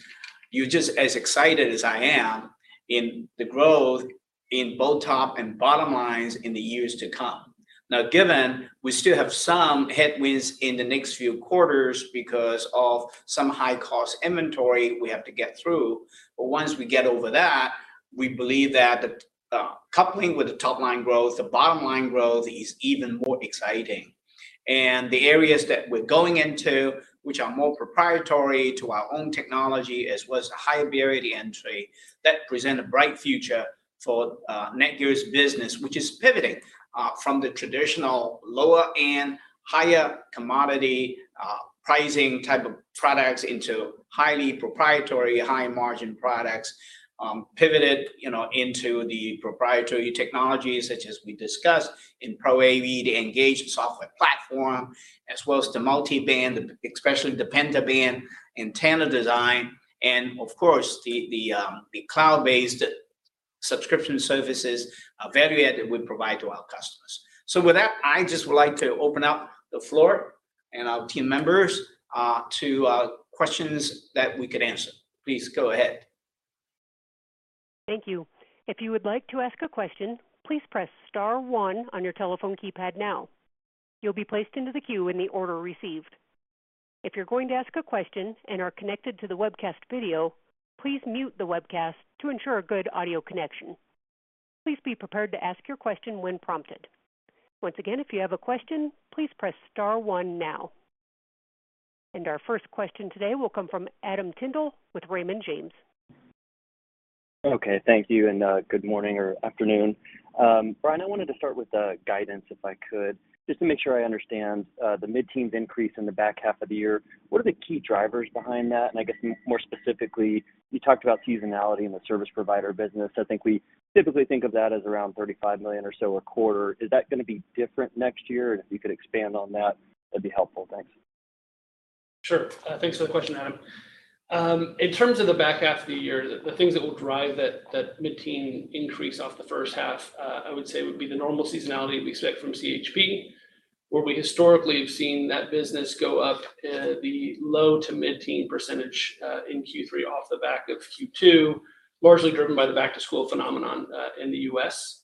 you're just as excited as I am in the growth in both top and bottom lines in the years to come. Now, given we still have some headwinds in the next few quarters because of some high-cost inventory we have to get through, but once we get over that, we believe that the coupling with the top-line growth, the bottom line growth is even more exciting. The areas that we're going into, which are more proprietary to our own technology, as well as a higher barrier to entry, that present a bright future for NETGEAR's business, which is pivoting from the traditional lower and higher commodity pricing type of products into highly proprietary, high-margin products. Pivoted, you know, into the proprietary technologies such as we discussed in ProAV, the Engage software platform, as well as the multi-band, especially the Pentaband antenna design, and of course, the cloud-based subscription services are value-added we provide to our customers. With that, I just would like to open up the floor and our team members to questions that we could answer. Please go ahead. Thank you. If you would like to ask a question, please press star one on your telephone keypad now. You'll be placed into the queue in the order received. If you're going to ask a question and are connected to the webcast video, please mute the webcast to ensure a good audio connection. Please be prepared to ask your question when prompted. Once again, if you have a question, please press star one now. Our first question today will come from Adam Tindall with Raymond James. Okay, thank you, and good morning or afternoon. Bryan, I wanted to start with the guidance, if I could, just to make sure I understand the mid-teens increase in the back half of the year. What are the key drivers behind that? And I guess more specifically, you talked about seasonality in the service provider business. I think we typically think of that as around $35 million or so a quarter. Is that gonna be different next year? And if you could expand on that, that'd be helpful. Thanks. Sure. Thanks for the question, Adam. In terms of the back half of the year, the things that will drive that mid-teen increase off the first half, I would say would be the normal seasonality we expect from CHP, where we historically have seen that business go up the low to mid-teen percentage in Q3 off the back of Q2, largely driven by the back-to-school phenomenon in the U.S.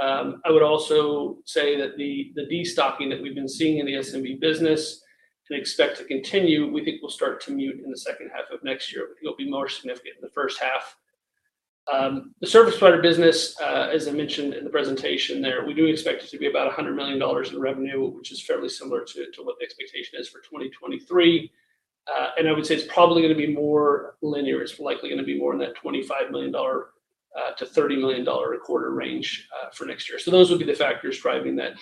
I would also say that the destocking that we've been seeing in the SMB business can expect to continue. We think we'll start to mute in the second half of next year, but it'll be more significant in the first half. The service provider business, as I mentioned in the presentation there, we do expect it to be about $100 million in revenue, which is fairly similar to what the expectation is for 2023. And I would say it's probably gonna be more linear. It's likely gonna be more in that $25 million-$30 million a quarter range, for next year. So those would be the factors driving that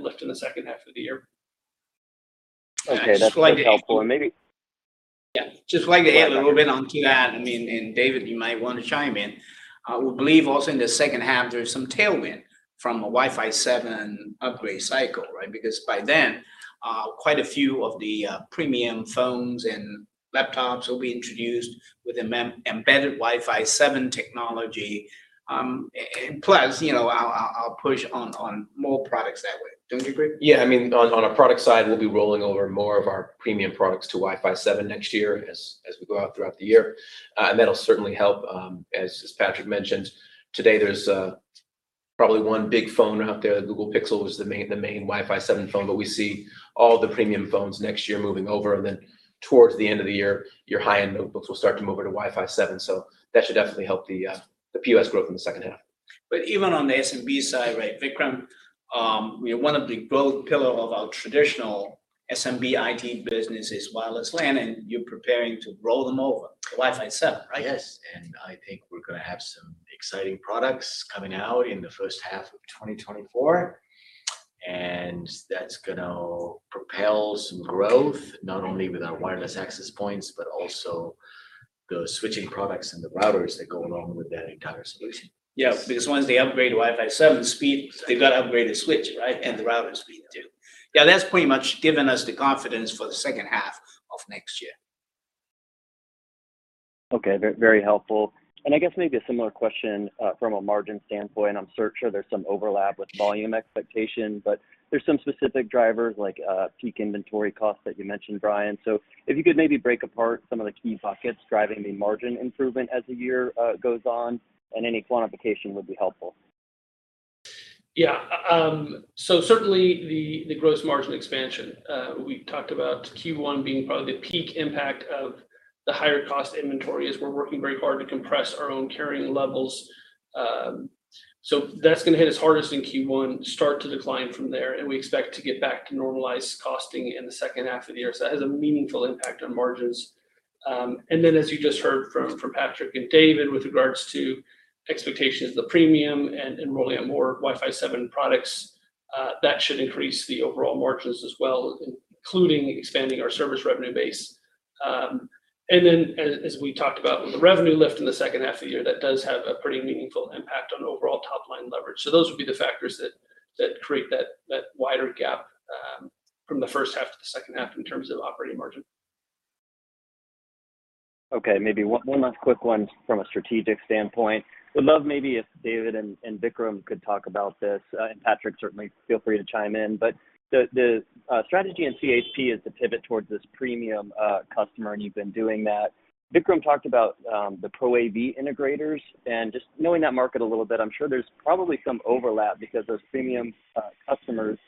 lift in the second half of the year. Okay, that's helpful. And maybe- Yeah, just wanted to add a little bit onto that. I mean, and David, you might want to chime in. We believe also in the second half, there's some tailwind from a Wi-Fi 7 upgrade cycle, right? Because by then, quite a few of the premium phones and laptops will be introduced with embedded Wi-Fi 7 technology. And plus, you know, I'll push on more products that way. Don't you agree? Yeah, I mean, on a product side, we'll be rolling over more of our premium products to Wi-Fi 7 next year as we go out throughout the year. And that'll certainly help, as Patrick mentioned, today, there's a-... probably one big phone out there, the Google Pixel, was the main, the main Wi-Fi 7 phone, but we see all the premium phones next year moving over, and then towards the end of the year, your high-end notebooks will start to move over to Wi-Fi 7. So that should definitely help the, the ASP growth in the second half. But even on the SMB side, right, Vikram, one of the growth pillar of our traditional SMB IT business is wireless LAN, and you're preparing to roll them over to Wi-Fi 7, right? Yes, and I think we're gonna have some exciting products coming out in the first half of 2024. That's gonna propel some growth, not only with our wireless access points, but also the switching products and the routers that go along with that entire solution. Yeah, because once they upgrade to Wi-Fi 7 speed, they've got to upgrade the switch, right? The router speed, too. Yeah, that's pretty much given us the confidence for the second half of next year. Okay, very, very helpful. I guess maybe a similar question from a margin standpoint. I'm sure there's some overlap with volume expectation, but there's some specific drivers like peak inventory costs that you mentioned, Bryan. So if you could maybe break apart some of the key buckets driving the margin improvement as the year goes on, and any quantification would be helpful. Yeah. So certainly the gross margin expansion, we talked about Q1 being probably the peak impact of the higher cost inventory, as we're working very hard to compress our own carrying levels. So that's going to hit us hardest in Q1, start to decline from there, and we expect to get back to normalized costing in the second half of the year. So that has a meaningful impact on margins. And then, as you just heard from Patrick and David, with regards to expectations of the premium and rollout on more Wi-Fi 7 products, that should increase the overall margins as well, including expanding our service revenue base. And then as we talked about with the revenue lift in the second half of the year, that does have a pretty meaningful impact on overall top-line leverage. So those would be the factors that create that wider gap from the first half to the second half in terms of operating margin. Okay, maybe one last quick one from a strategic standpoint. Would love maybe if David and Vikram could talk about this, and Patrick, certainly feel free to chime in. But the strategy in CHP is to pivot towards this premium customer, and you've been doing that. Vikram talked about the Pro AV integrators, and just knowing that market a little bit, I'm sure there's probably some overlap because those premium customers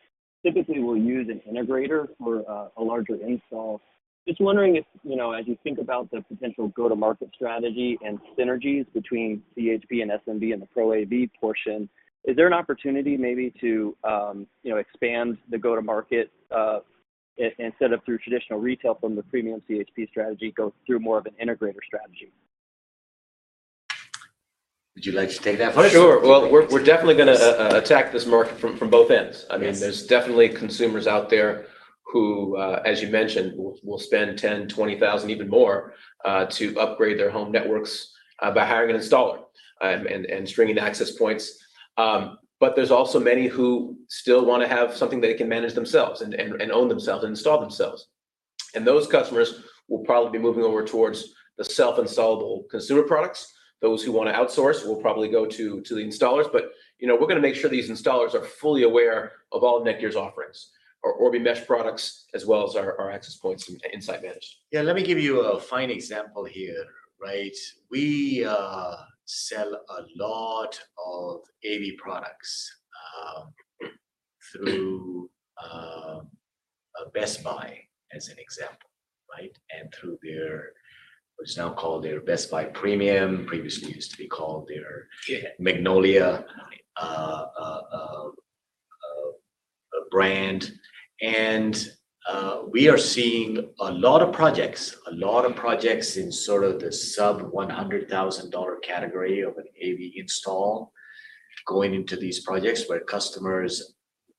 typically will use an integrator for a larger install. Just wondering if, you know, as you think about the potential go-to-market strategy and synergies between CHP and SMB and the Pro AV portion, is there an opportunity maybe to, you know, expand the go-to-market instead of through traditional retail from the premium CHP strategy, go through more of an integrator strategy? Would you like to take that one? Sure. Well, we're definitely gonna attack this market from both ends. Yes. I mean, there's definitely consumers out there who, as you mentioned, will spend $10,000, $20,000, even more, to upgrade their home networks, by hiring an installer, and stringing access points. But there's also many who still want to have something they can manage themselves and own themselves, install themselves. Those customers will probably be moving over towards the self-installable consumer products. Those who want to outsource will probably go to the installers, but, you know, we're going to make sure these installers are fully aware of all NETGEAR's offerings, our Orbi Mesh products, as well as our access points and Insight Managed. Yeah, let me give you a fine example here, right? We sell a lot of AV products through Best Buy as an example, right? And through their, what is now called their Best Buy Premium, previously used to be called their Magnolia brand. And we are seeing a lot of projects, a lot of projects in sort of the sub $100,000 category of an AV install going into these projects, where customers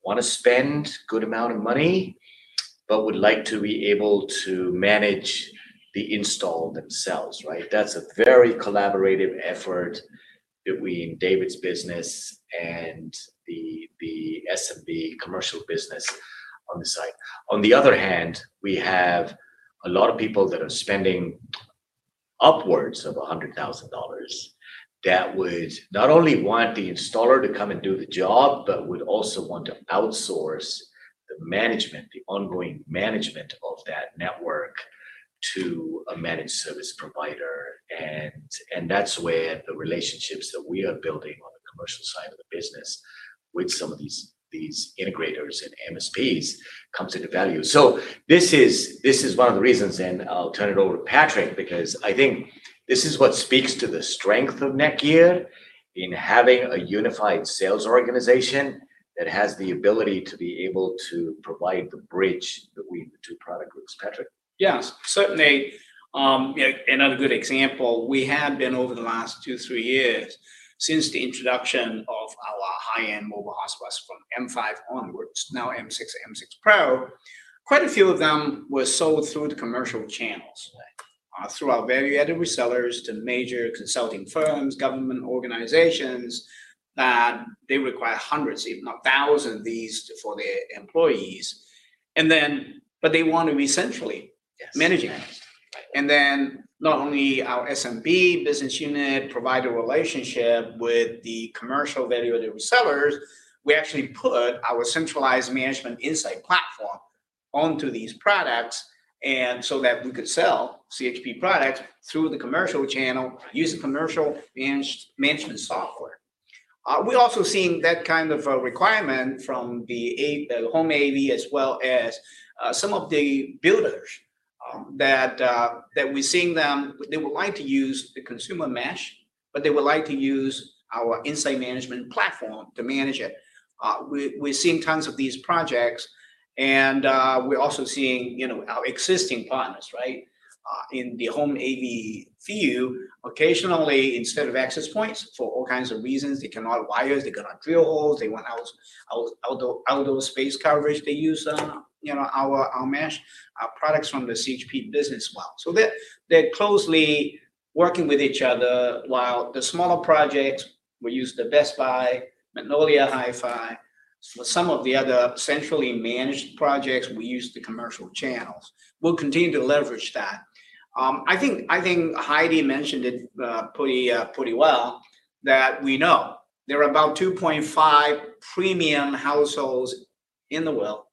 want to spend good amount of money, but would like to be able to manage the install themselves, right? That's a very collaborative effort between David's business and the SMB commercial business on the site. On the other hand, we have a lot of people that are spending upwards of $100,000 that would not only want the installer to come and do the job, but would also want to outsource the management, the ongoing management of that network, to a managed service provider. And, and that's where the relationships that we are building on the commercial side of the business with some of these, these integrators and MSPs comes into value. So this is, this is one of the reasons, and I'll turn it over to Patrick, because I think this is what speaks to the strength of NETGEAR in having a unified sales organization that has the ability to be able to provide the bridge between the two product groups. Patrick? Yes, certainly. Yeah, another good example, we have been over the last 2-3 years, since the introduction of our high-end mobile hotspots from M5 onwards, now M6, M6 Pro, quite a few of them were sold through the commercial channels. Right. through our value-added resellers to major consulting firms, government organizations, that they require hundreds, if not thousands, of these for their employees. And then, but they want to be centrally- Yes... managing that. Right. And then not only our SMB business unit provider relationship with the commercial value-added resellers, we actually put our centralized management Insight platform onto these products, and so that we could sell CHP products through the commercial channel, using commercial management software. We're also seeing that kind of a requirement from the AV, the home AV, as well as some of the builders that we're seeing them. They would like to use the consumer Mesh, but they would like to use our Insight management platform to manage it. We've seen tons of these projects, and we're also seeing, you know, our existing partners, right? In the home AV view, occasionally, instead of access points, for all kinds of reasons, they cannot wire, they cannot drill holes, they want outdoor space coverage. They use, you know, our, our Mesh, our products from the CHP business well. So they're, they're closely working with each other, while the smaller projects will use the Best Buy, Magnolia Hi-Fi. For some of the other centrally managed projects, we use the commercial channels. We'll continue to leverage that. I think, I think Heidi mentioned it, pretty, pretty well, that we know there are about 2.5 premium households in the world,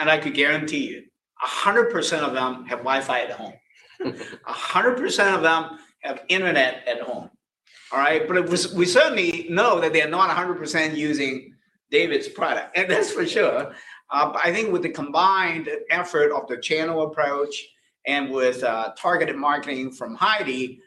and I could guarantee you, 100% of them have Wi-Fi at home. 100% of them have internet at home. All right? But we, we certainly know that they are not 100% using David's product, and that's for sure. But I think with the combined effort of the channel approach and with targeted marketing from Heidi,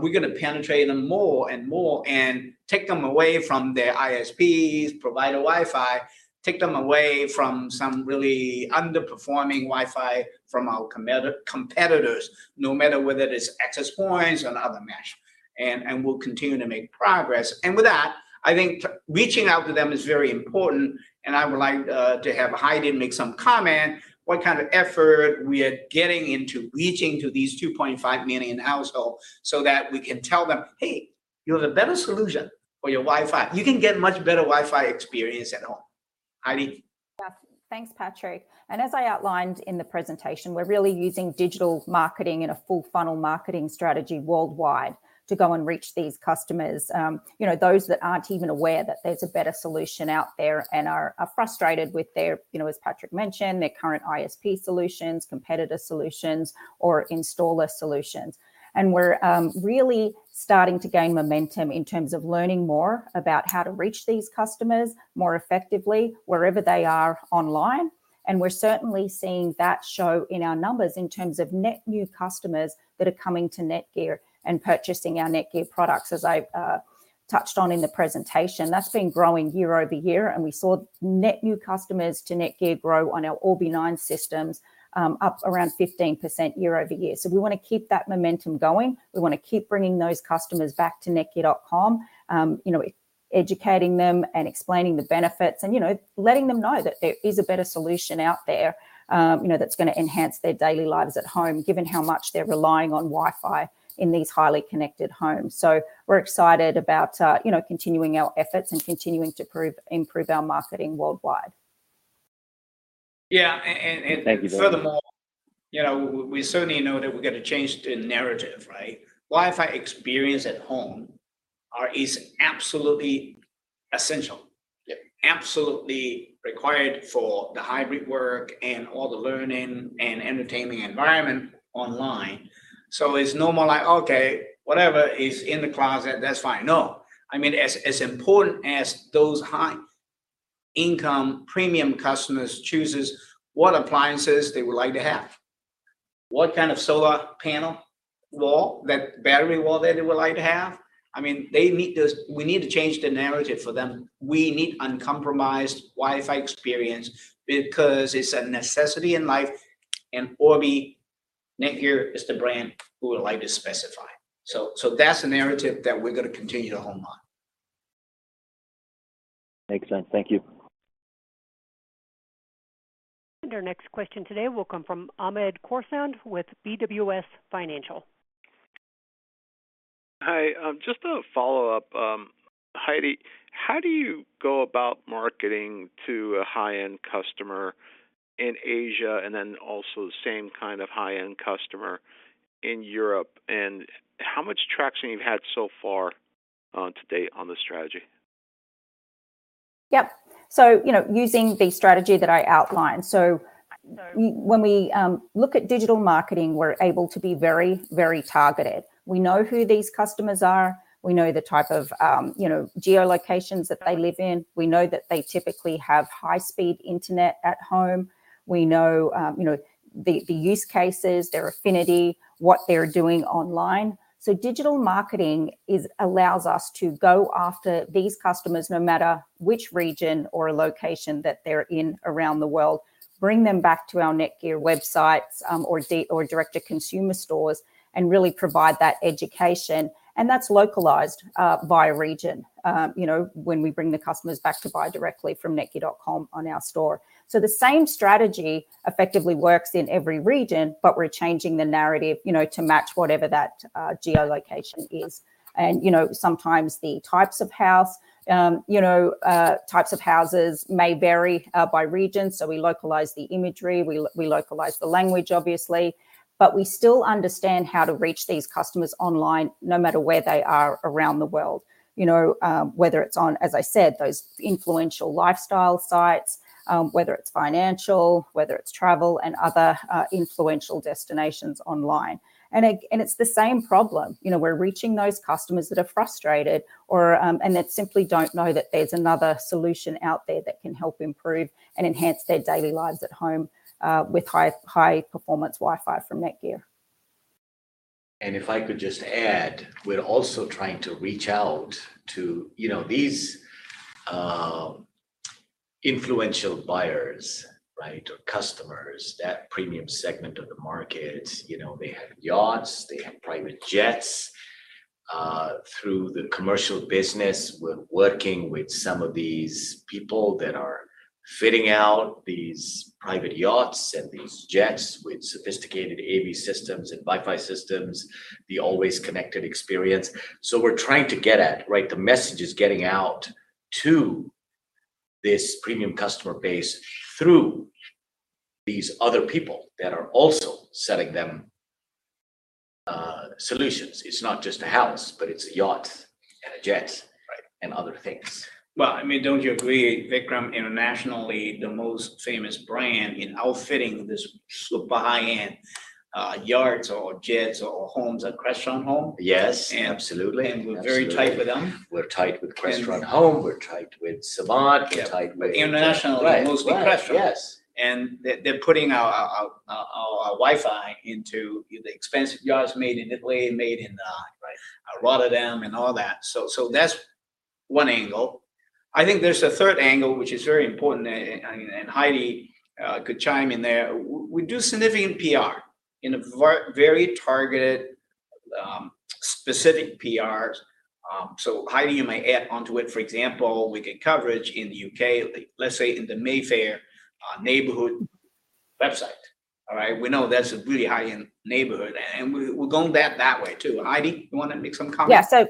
we're gonna penetrate them more and more and take them away from their ISPs, provider Wi-Fi, take them away from some really underperforming Wi-Fi from our competitors, no matter whether it's access points or other Mesh, and we'll continue to make progress. And with that, I think reaching out to them is very important, and I would like to have Heidi make some comment, what kind of effort we are getting into reaching to these 2.5 million household so that we can tell them, "Hey, you have a better solution for your Wi-Fi. You can get much better Wi-Fi experience at home." Heidi? Yeah. Thanks, Patrick. And as I outlined in the presentation, we're really using digital marketing and a full funnel marketing strategy worldwide to go and reach these customers. You know, those that aren't even aware that there's a better solution out there and are frustrated with their, you know, as Patrick mentioned, their current ISP solutions, competitor solutions, or installer solutions. And we're really starting to gain momentum in terms of learning more about how to reach these customers more effectively wherever they are online, and we're certainly seeing that show in our numbers in terms of net new customers that are coming to NETGEAR and purchasing our NETGEAR products. As I touched on in the presentation, that's been growing year-over-year, and we saw net new customers to NETGEAR grow on our Orbi 9 systems, up around 15% year-over-year. We wanna keep that momentum going. We wanna keep bringing those customers back to NETGEAR.com, you know, educating them and explaining the benefits and, you know, letting them know that there is a better solution out there, you know, that's gonna enhance their daily lives at home, given how much they're relying on Wi-Fi in these highly connected homes. We're excited about, you know, continuing our efforts and continuing to improve our marketing worldwide. Yeah, and- Thank you very much. Furthermore, you know, we, we certainly know that we've got to change the narrative, right? Wi-Fi experience at home are, is absolutely essential- Yep... absolutely required for the hybrid work and all the learning and entertaining environment online. So it's no more like, "Okay, whatever, it's in the closet, that's fine." No. I mean, as, as important as those high-income premium customers chooses what appliances they would like to have, what kind of solar panel wall, that battery wall that they would like to have, I mean, they need this. We need to change the narrative for them. We need uncompromised Wi-Fi experience because it's a necessity in life, and Orbi NETGEAR is the brand we would like to specify. So, so that's the narrative that we're gonna continue to home on. Makes sense. Thank you. Our next question today will come from Hamed Khorsand with BWS Financial. Hi, just a follow-up, Heidi, how do you go about marketing to a high-end customer in Asia, and then also the same kind of high-end customer in Europe, and how much traction you've had so far, to date on the strategy? Yep. You know, using the strategy that I outlined. So we, when we look at digital marketing, we're able to be very, very targeted. We know who these customers are. We know the type of, you know, geolocations that they live in. We know that they typically have high-speed internet at home. We know, you know, the use cases, their affinity, what they're doing online. So digital marketing allows us to go after these customers, no matter which region or location that they're in around the world, bring them back to our NETGEAR websites, or direct-to-consumer stores, and really provide that education, and that's localized by region. You know, when we bring the customers back to buy directly from netgear.com on our store. So the same strategy effectively works in every region, but we're changing the narrative, you know, to match whatever that, geolocation is. And, you know, sometimes the types of house, you know, types of houses may vary, by region, so we localize the imagery, we localize the language, obviously. But we still understand how to reach these customers online, no matter where they are around the world. You know, whether it's on, as I said, those influential lifestyle sites, whether it's financial, whether it's travel and other, influential destinations online. And it, and it's the same problem. You know, we're reaching those customers that are frustrated or, and that simply don't know that there's another solution out there that can help improve and enhance their daily lives at home, with high, high-performance Wi-Fi from NETGEAR.... and if I could just add, we're also trying to reach out to, you know, these influential buyers, right? Or customers, that premium segment of the market. You know, they have yachts, they have private jets. Through the commercial business, we're working with some of these people that are fitting out these private yachts and these jets with sophisticated AV systems and Wi-Fi systems, the always connected experience. So we're trying to get at, right, the message is getting out to this premium customer base through these other people that are also selling them solutions. It's not just a house, but it's a yacht and a jet- Right and other things. Well, I mean, don't you agree, Vikram, internationally, the most famous brand in outfitting this super high-end yachts or jets or homes are Crestron Home? Yes, absolutely. We're very tight with them. We're tight with Crestron Home, we're tight with Savant, we're tight with- Internationally, mostly Crestron. Right. Right, yes. And they're putting out our Wi-Fi into the expensive yachts made in Italy and made in Right... Rotterdam and all that. So that's one angle. I think there's a third angle, which is very important, and Heidi could chime in there. We do significant PR in a very targeted, specific PR. So Heidi, you may add onto it. For example, we get coverage in the UK, let's say, in the Mayfair neighborhood website. All right? We know that's a really high-end neighborhood, and we're going that way, too. Heidi, you wanna make some comments? Yeah. So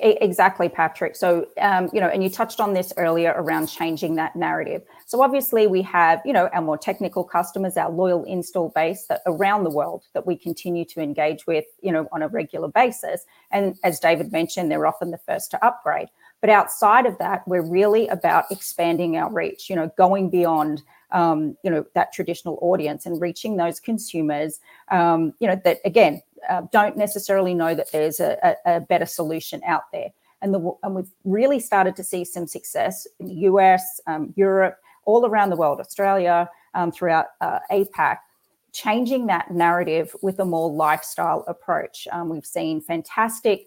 exactly, Patrick. So, you know, and you touched on this earlier around changing that narrative. So obviously, we have, you know, our more technical customers, our loyal install base around the world that we continue to engage with, you know, on a regular basis, and as David mentioned, they're often the first to upgrade. But outside of that, we're really about expanding our reach, you know, going beyond, you know, that traditional audience and reaching those consumers, you know, that, again, don't necessarily know that there's a better solution out there. And we've really started to see some success in the U.S., Europe, all around the world, Australia, throughout, APAC, changing that narrative with a more lifestyle approach. We've seen fantastic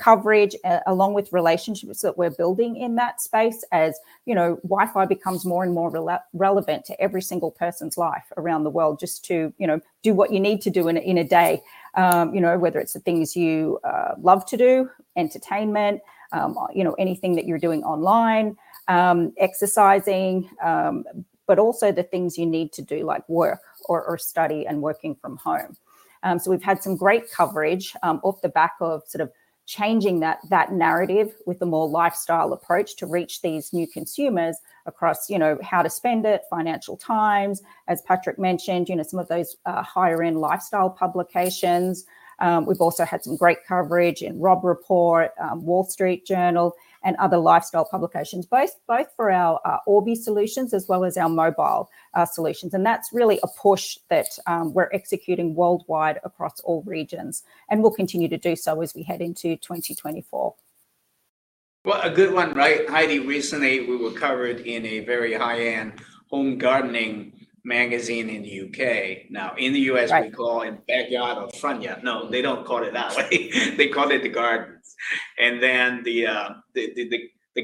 coverage, along with relationships that we're building in that space, as you know, Wi-Fi becomes more and more relevant to every single person's life around the world, just to, you know, do what you need to do in a day. You know, whether it's the things you love to do, entertainment, you know, anything that you're doing online, exercising, but also the things you need to do, like work or study and working from home. So we've had some great coverage off the back of sort of changing that narrative with a more lifestyle approach to reach these new consumers across, you know, How to Spend It, Financial Times, as Patrick mentioned, you know, some of those higher-end lifestyle publications. We've also had some great coverage in Robb Report, Wall Street Journal, and other lifestyle publications, both for our Orbi solutions as well as our mobile solutions. That's really a push that we're executing worldwide across all regions, and we'll continue to do so as we head into 2024. Well, a good one, right, Heidi? Recently, we were covered in a very high-end home gardening magazine in the UK. Now, in the US- Right... we call it backyard or front yard. No, they don't call it that way. They call it the gardens. And then the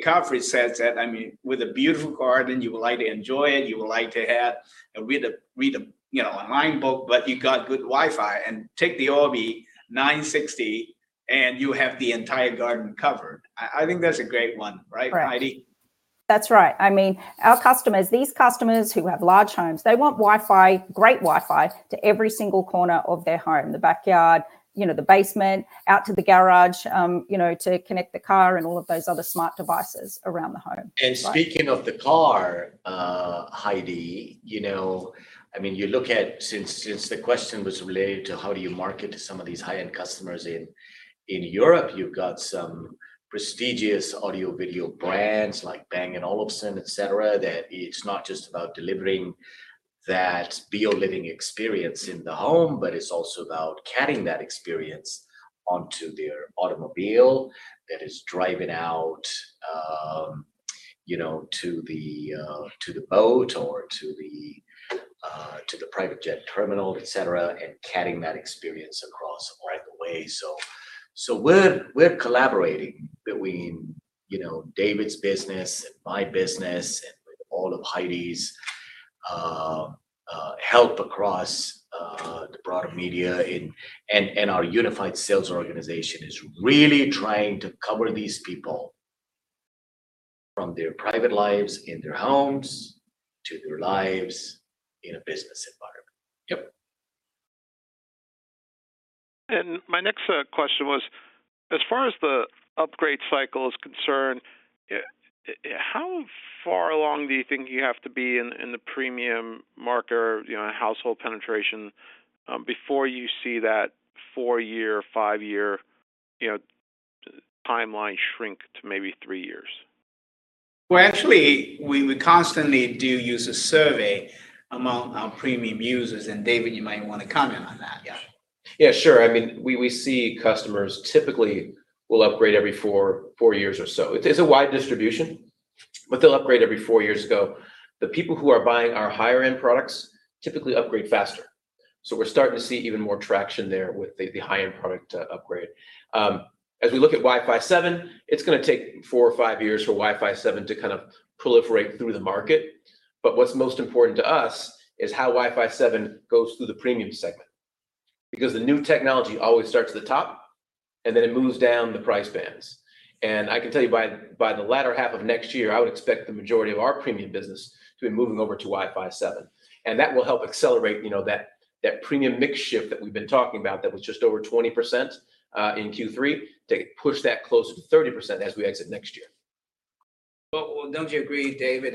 coverage says that, I mean, with a beautiful garden, you will like to enjoy it, you will like to have a read, you know, a light book, but you got good Wi-Fi, and take the Orbi 960, and you have the entire garden covered. I think that's a great one, right, Heidi? Correct. That's right. I mean, our customers, these customers who have large homes, they want Wi-Fi, great Wi-Fi, to every single corner of their home, the backyard, you know, the basement, out to the garage, you know, to connect the car and all of those other smart devices around the home. And speaking of the car, Heidi, you know, I mean, you look at, since, since the question was related to how do you market to some of these high-end customers, in, in Europe, you've got some prestigious audio-video brands like Bang & Olufsen, et cetera, that it's not just about delivering that BeoLiving experience in the home, but it's also about carrying that experience onto their automobile, that is driving out, you know, to the, to the boat or to the, to the private jet terminal, et cetera, and carrying that experience across right away. So, we're collaborating between, you know, David's business and my business, and with all of Heidi's help across the broader media and our unified sales organization is really trying to cover these people from their private lives in their homes to their lives in a business environment. Yep. My next question was, as far as the upgrade cycle is concerned, how far along do you think you have to be in the premium market, or, you know, household penetration, before you see that 4-year, 5-year, you know, timeline shrink to maybe 3 years? Well, actually, we constantly do user survey among our premium users, and David, you might want to comment on that. Yeah. Yeah, sure. I mean, we see customers typically will upgrade every 4 years or so. It's a wide distribution, but they'll upgrade every 4 years ago. The people who are buying our higher-end products typically upgrade faster, so we're starting to see even more traction there with the high-end product upgrade. As we look at Wi-Fi 7, it's gonna take 4 or 5 years for Wi-Fi 7 to kind of proliferate through the market. But what's most important to us is how Wi-Fi 7 goes through the premium segment, because the new technology always starts at the top, and then it moves down the price bands. I can tell you by the latter half of next year, I would expect the majority of our premium business to be moving over to Wi-Fi 7, and that will help accelerate, you know, that premium mix shift that we've been talking about. That was just over 20% in Q3, to push that close to 30% as we exit next year. Well, well, don't you agree, David,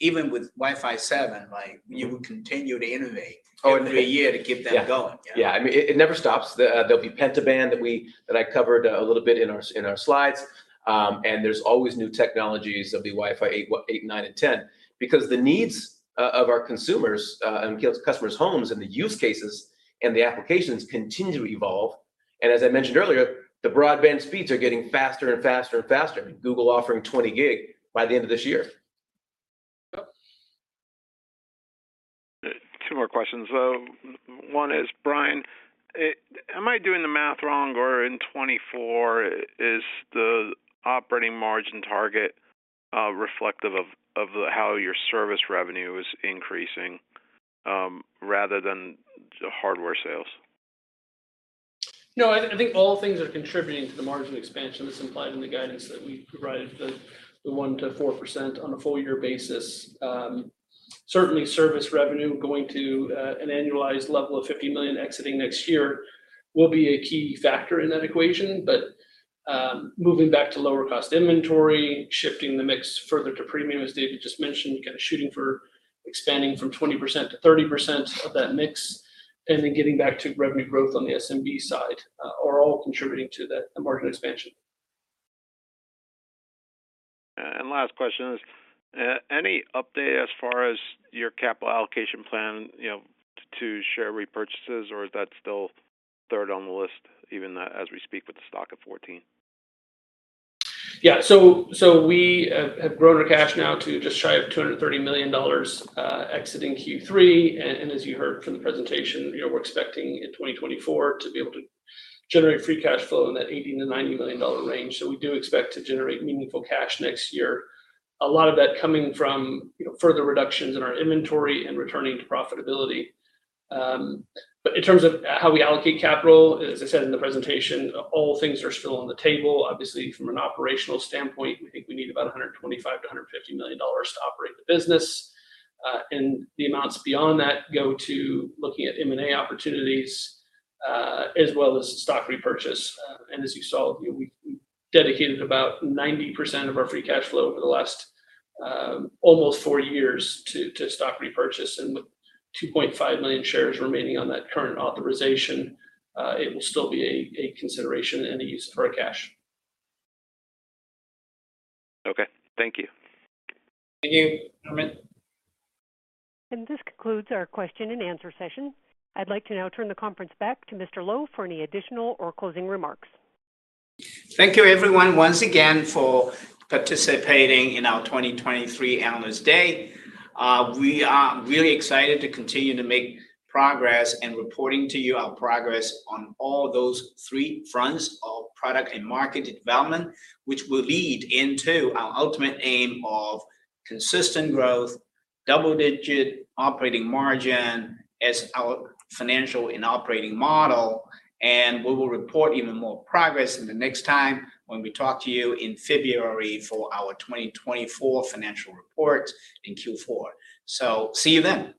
that even with Wi-Fi 7, like, you would continue to innovate every year to keep that going? Yeah. Yeah, I mean, it never stops. There'll be Penta-Band that I covered a little bit in our slides. There's always new technologies. There'll be Wi-Fi 8, 8, 9, and 10, because the needs of our consumers and customers' homes, and the use cases, and the applications continue to evolve. As I mentioned earlier, the broadband speeds are getting faster and faster and faster. Google offering 20 gig by the end of this year. Two more questions. One is, Bryan, am I doing the math wrong, or in 2024, is the operating margin target reflective of how your service revenue is increasing rather than the hardware sales? No, I think all things are contributing to the margin expansion that's implied in the guidance that we provided, the 1%-4% on a full year basis. Certainly, service revenue going to an annualized level of $50 million exiting next year will be a key factor in that equation. But, moving back to lower cost inventory, shifting the mix further to premium, as David just mentioned, kind of shooting for expanding from 20% to 30% of that mix, and then getting back to revenue growth on the SMB side, are all contributing to the margin expansion. Last question is, any update as far as your capital allocation plan, you know, to share repurchases, or is that still third on the list, even as we speak with the stock at $14? Yeah, so we have grown our cash now to just shy of $230 million, exiting Q3. And as you heard from the presentation, you know, we're expecting in 2024 to be able to generate free cash flow in that $80-$90 million range. So we do expect to generate meaningful cash next year. A lot of that coming from, you know, further reductions in our inventory and returning to profitability. But in terms of how we allocate capital, as I said in the presentation, all things are still on the table. Obviously, from an operational standpoint, we think we need about $125-$150 million to operate the business. And the amounts beyond that go to looking at M&A opportunities, as well as stock repurchase. As you saw, you know, we dedicated about 90% of our free cash flow over the last almost four years to stock repurchase. With 2.5 million shares remaining on that current authorization, it will still be a consideration and a use for our cash. Okay. Thank you. Thank you, Herman. This concludes our question and answer session. I'd like to now turn the conference back to Mr. Lo for any additional or closing remarks. Thank you, everyone, once again, for participating in our 2023 Analyst Day. We are really excited to continue to make progress and reporting to you our progress on all those three fronts of product and market development, which will lead into our ultimate aim of consistent growth, double-digit operating margin as our financial and operating model. We will report even more progress in the next time when we talk to you in February for our 2024 financial report in Q4. See you then!